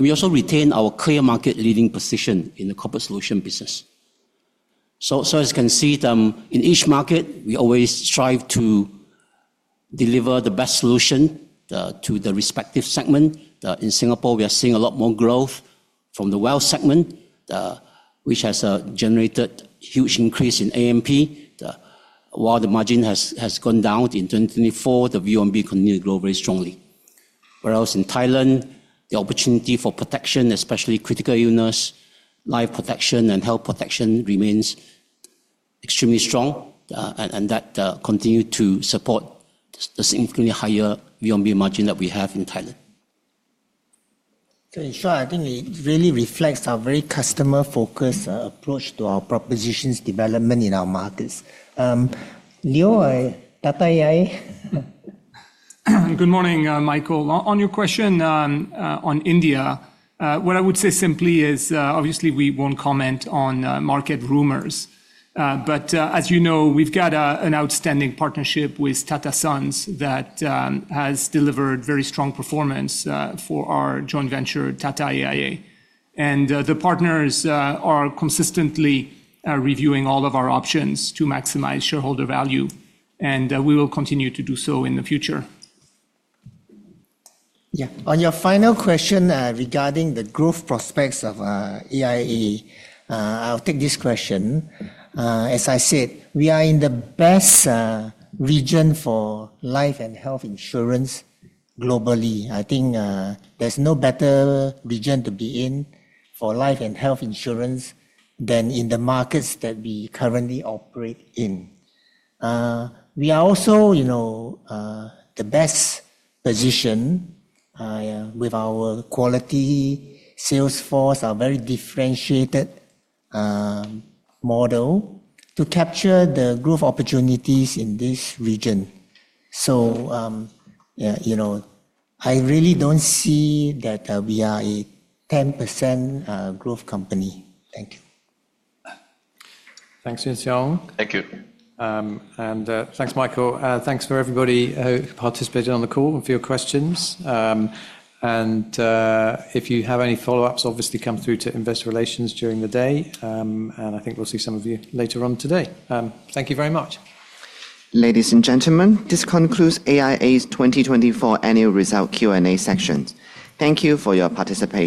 We also retain our clear market-leading position in the corporate solution business. As you can see, in each market, we always strive to deliver the best solution to the respective segment. In Singapore, we are seeing a lot more growth from the wealth segment, which has generated a huge increase in ANP. While the margin has gone down in 2024, the VONB continues to grow very strongly. Whereas in Thailand, the opportunity for protection, especially critical illness, life protection, and health protection remains extremely strong. That continues to support the significantly higher VONB margin that we have in Thailand. In short, I think it really reflects our very customer-focused approach to our propositions development in our markets. Leo, Tata AIA? Good morning, Michael. On your question on India, what I would say simply is, obviously, we will not comment on market rumors. As you know, we have got an outstanding partnership with Tata Sons that has delivered very strong performance for our joint venture, Tata AIA. The partners are consistently reviewing all of our options to maximize shareholder value. We will continue to do so in the future. Yeah, on your final question regarding the growth prospects of AIA, I will take this question. As I said, we are in the best region for life and health insurance globally. I think there's no better region to be in for life and health insurance than in the markets that we currently operate in. We are also the best positioned with our quality sales force, our very differentiated model to capture the growth opportunities in this region. I really don't see that we are a 10% growth company. Thank you. Thanks, Yuan Siong. Thank you. Thanks, Michael. Thanks for everybody who participated on the call and for your questions. If you have any follow-ups, obviously, come through to investor relations during the day. I think we'll see some of you later on today. Thank you very much. Ladies and gentlemen, this concludes AIA's 2024 annual result Q&A section. Thank you for your participation.